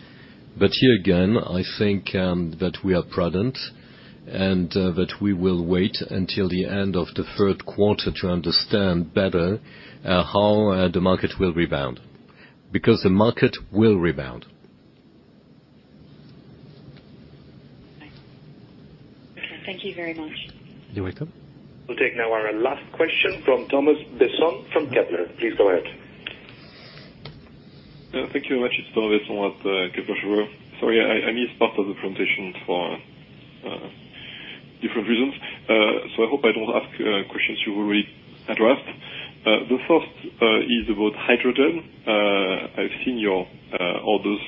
Here again, I think that we are prudent and that we will wait until the end of the third quarter to better understand how the market will rebound. Because the market will rebound. Okay. Thank you very much. You're welcome. We'll take our last question now from Thomas Besson from Kepler. Please go ahead. Thank you very much. It's Thomas Besson with Kepler Cheuvreux. Sorry, I missed part of the presentation for different reasons. I hope I don't ask questions you already addressed. The first is about hydrogen. I've seen your orders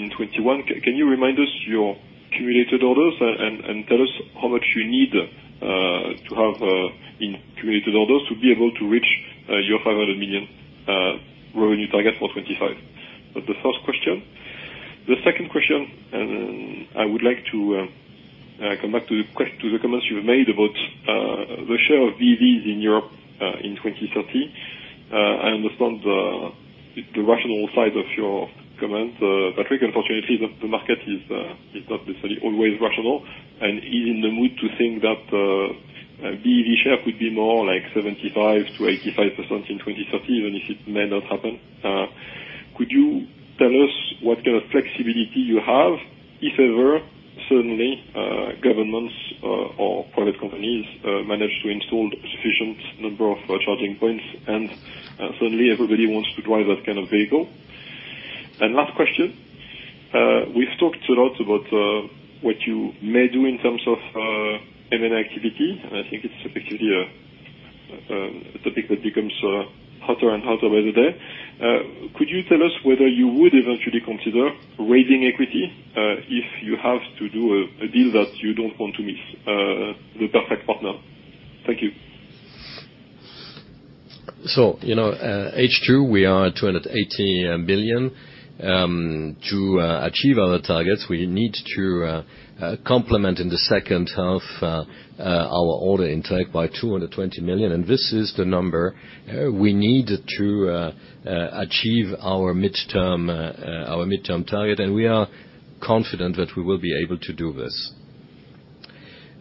in 2021. Can you remind us your cumulative orders and tell us how much you need to have in cumulative orders to be able to reach your 500 million revenue target for 2025? That's the first question. The second question, I would like to come back to the comments you made about the share of EVs in Europe, in 2030. I understand the rational side of your comments, Patrick. Unfortunately, the market is not necessarily always rational and is in the mood to think that the EV share could be more like 75%-85% in 2030, even if it may not happen. Could you tell us what kind of flexibility you have if ever, suddenly, governments or private companies manage to install a sufficient number of charging points, and suddenly everybody wants to drive that kind of vehicle? Last question, we've talked a lot about what you may do in terms of M&A activity, and I think it's typically a topic that becomes hotter and hotter by the day. Could you tell us whether you would eventually consider raising equity if you have to do a deal that you don't want to miss, the perfect partner? Thank you. In H2, we are at 280 million. To achieve our targets, we need to complement our order intake in the second half by 220 million, and this is the number we need to achieve our midterm target. We are confident that we will be able to do this.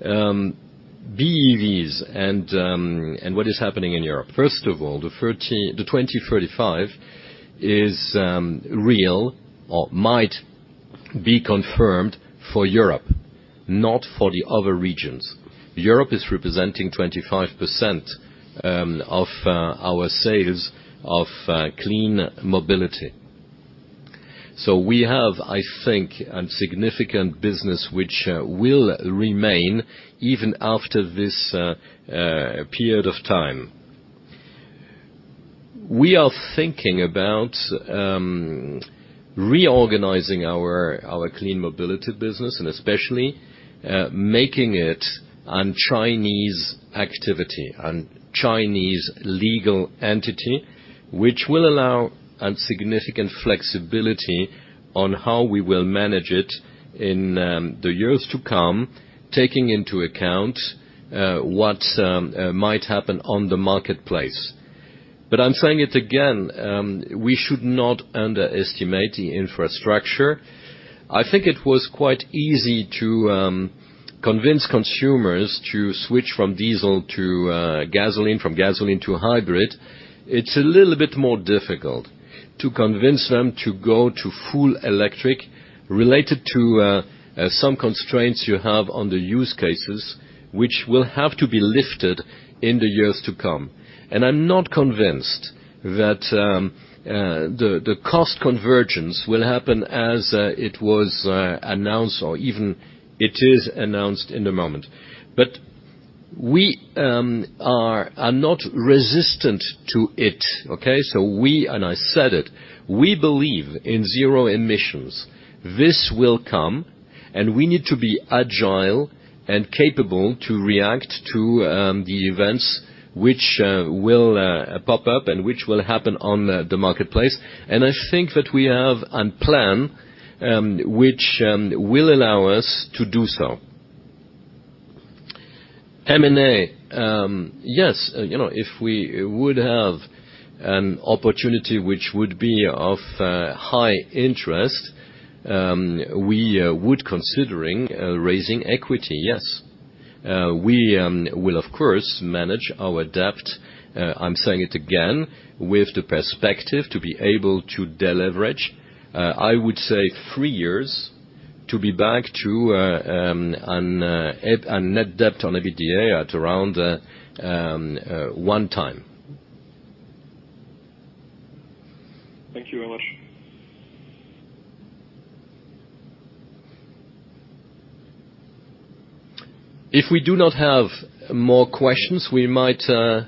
BEVs and what is happening in Europe. First of all, 2035 is real or might be confirmed for Europe, not for the other regions. Europe is representing 25% of our sales of Clean Mobility. We have, I think, a significant business that will remain even after this period of time. We are thinking about reorganizing our Clean Mobility business and especially making it a Chinese activity, a Chinese legal entity, which will allow significant flexibility on how we will manage it in the years to come, taking into account what might happen on the marketplace. I'm saying it again, we should not underestimate the infrastructure. I think it was quite easy to convince consumers to switch from diesel to gasoline, from gasoline to hybrid. It's a little bit more difficult to convince them to go to full electric related to some constraints you have on the use cases, which will have to be lifted in the years to come. I'm not convinced that the cost convergence will happen as it was announced or even it is announced in the moment. Are we not resistant to it, okay? We, and I said it, we believe in zero emissions. This will come, and we need to be agile and capable of reacting to the events that will pop up and which will happen on the marketplace. I think that we have a plan which will allow us to do so. M&A. Yes, if we had an opportunity which would be of high interest, we would considering raising equity, yes. We will, of course, manage our debt, I'm saying it again, with the perspective to be able to deleverage, I would say three years to be back to a net debt-to-EBITDA at around 1x. Thank you very much. If we do not have more questions—we might have a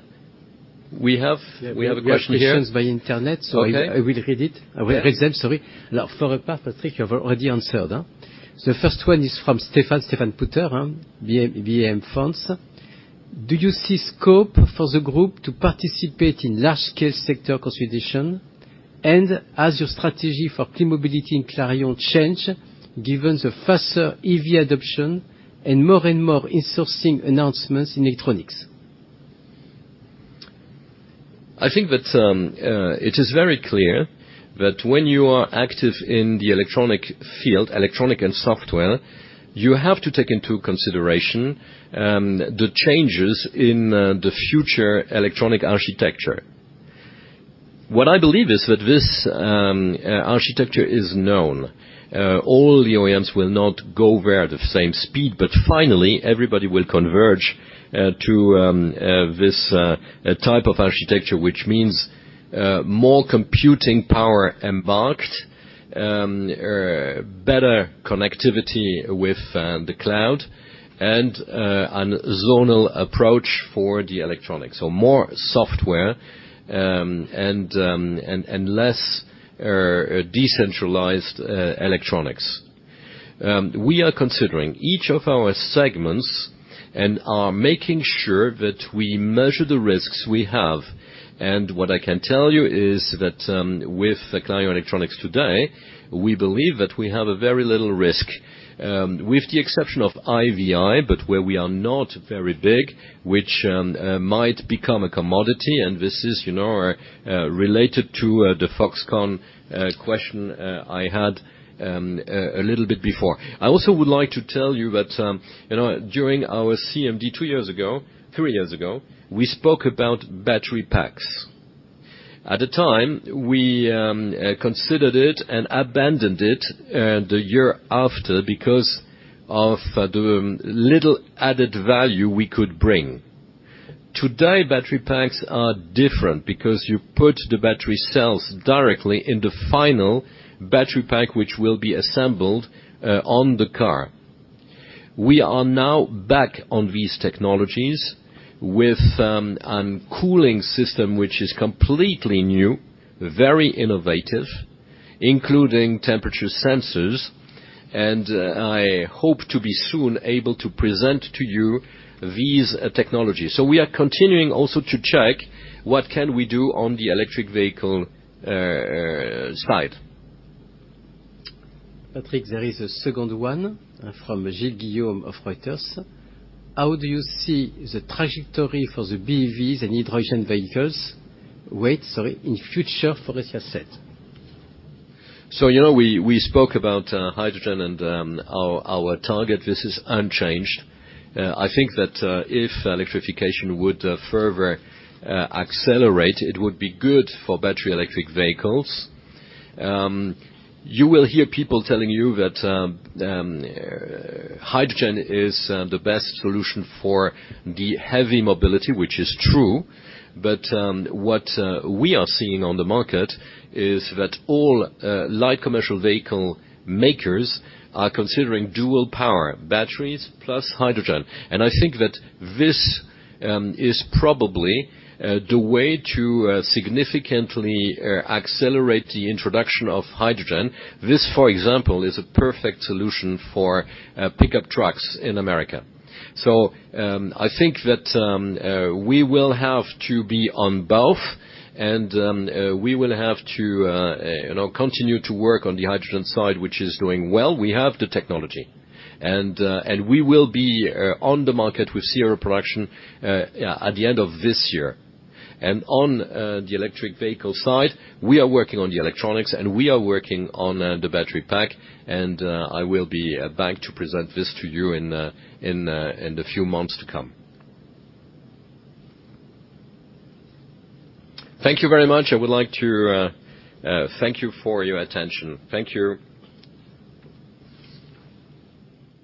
question here? Yes, we have questions on the internet. Okay. I will read it. I will read them, sorry. For Patrick, you have already answered. The first one is from Stéphane Houri from BHF. Do you see scope for the Group to participate in large-scale sector consolidation? Has your strategy for Clean Mobility in Clarion changed given the faster EV adoption and more and more in-sourcing announcements in electronics? I think that it is very clear that when you are active in the electronic field, electronic and software, you have to take into consideration the changes in the future electronic architecture. What I believe is that this architecture is known. All the OEMs will not go where the same speed, but finally, everybody will converge to this type of architecture, which means more computing power embarked, better connectivity with the cloud, and a zonal approach for the electronics. More software and less decentralized electronics. We are considering each of our segments and are making sure that we measure the risks we have. What I can tell you is that, with Clarion Electronics today, we believe that we have a very little risk, with the exception of IVI, but where we are not very big, which might become a commodity, and this is related to the Foxconn question I had a little bit before. I also would like to tell you that during our CMD three years ago, we spoke about battery packs. At the time, we considered it and abandoned it the year after because of the little added value we could bring. Today, battery packs are different because you put the battery cells directly in the final battery pack, which will be assembled in the car. We are now back on these technologies with a cooling system, which is completely new, very innovative, including temperature sensors, and I hope to be able to present these technologies to you soon. We are also continuing to check what we can do on the electric vehicle side. Patrick, there is a second one from Gilles Guillaume of Reuters. How do you see the trajectory for the BEVs and hydrogen vehicles weight, sorry, in future Faurecia setup? We spoke about hydrogen and our target. This is unchanged. I think that if electrification would further accelerate, it would be good for Battery Electric Vehicles. You will hear people telling you that hydrogen is the best solution for heavy mobility, which is true. What we are seeing on the market is that all light commercial vehicle makers are considering dual power, batteries plus hydrogen. I think that this is probably the way to significantly accelerate the introduction of hydrogen. This, for example, is a perfect solution for pickup trucks in America. I think that we will have to be on both, and we will have to continue to work on the hydrogen side, which is doing well. We have the technology. We will be on the market with serial production at the end of this year. On the electric vehicle side, we are working on the electronics, and we are working on the battery pack. I will be back to present this to you in the few months to come. Thank you very much. I would like to thank you for your attention. Thank you.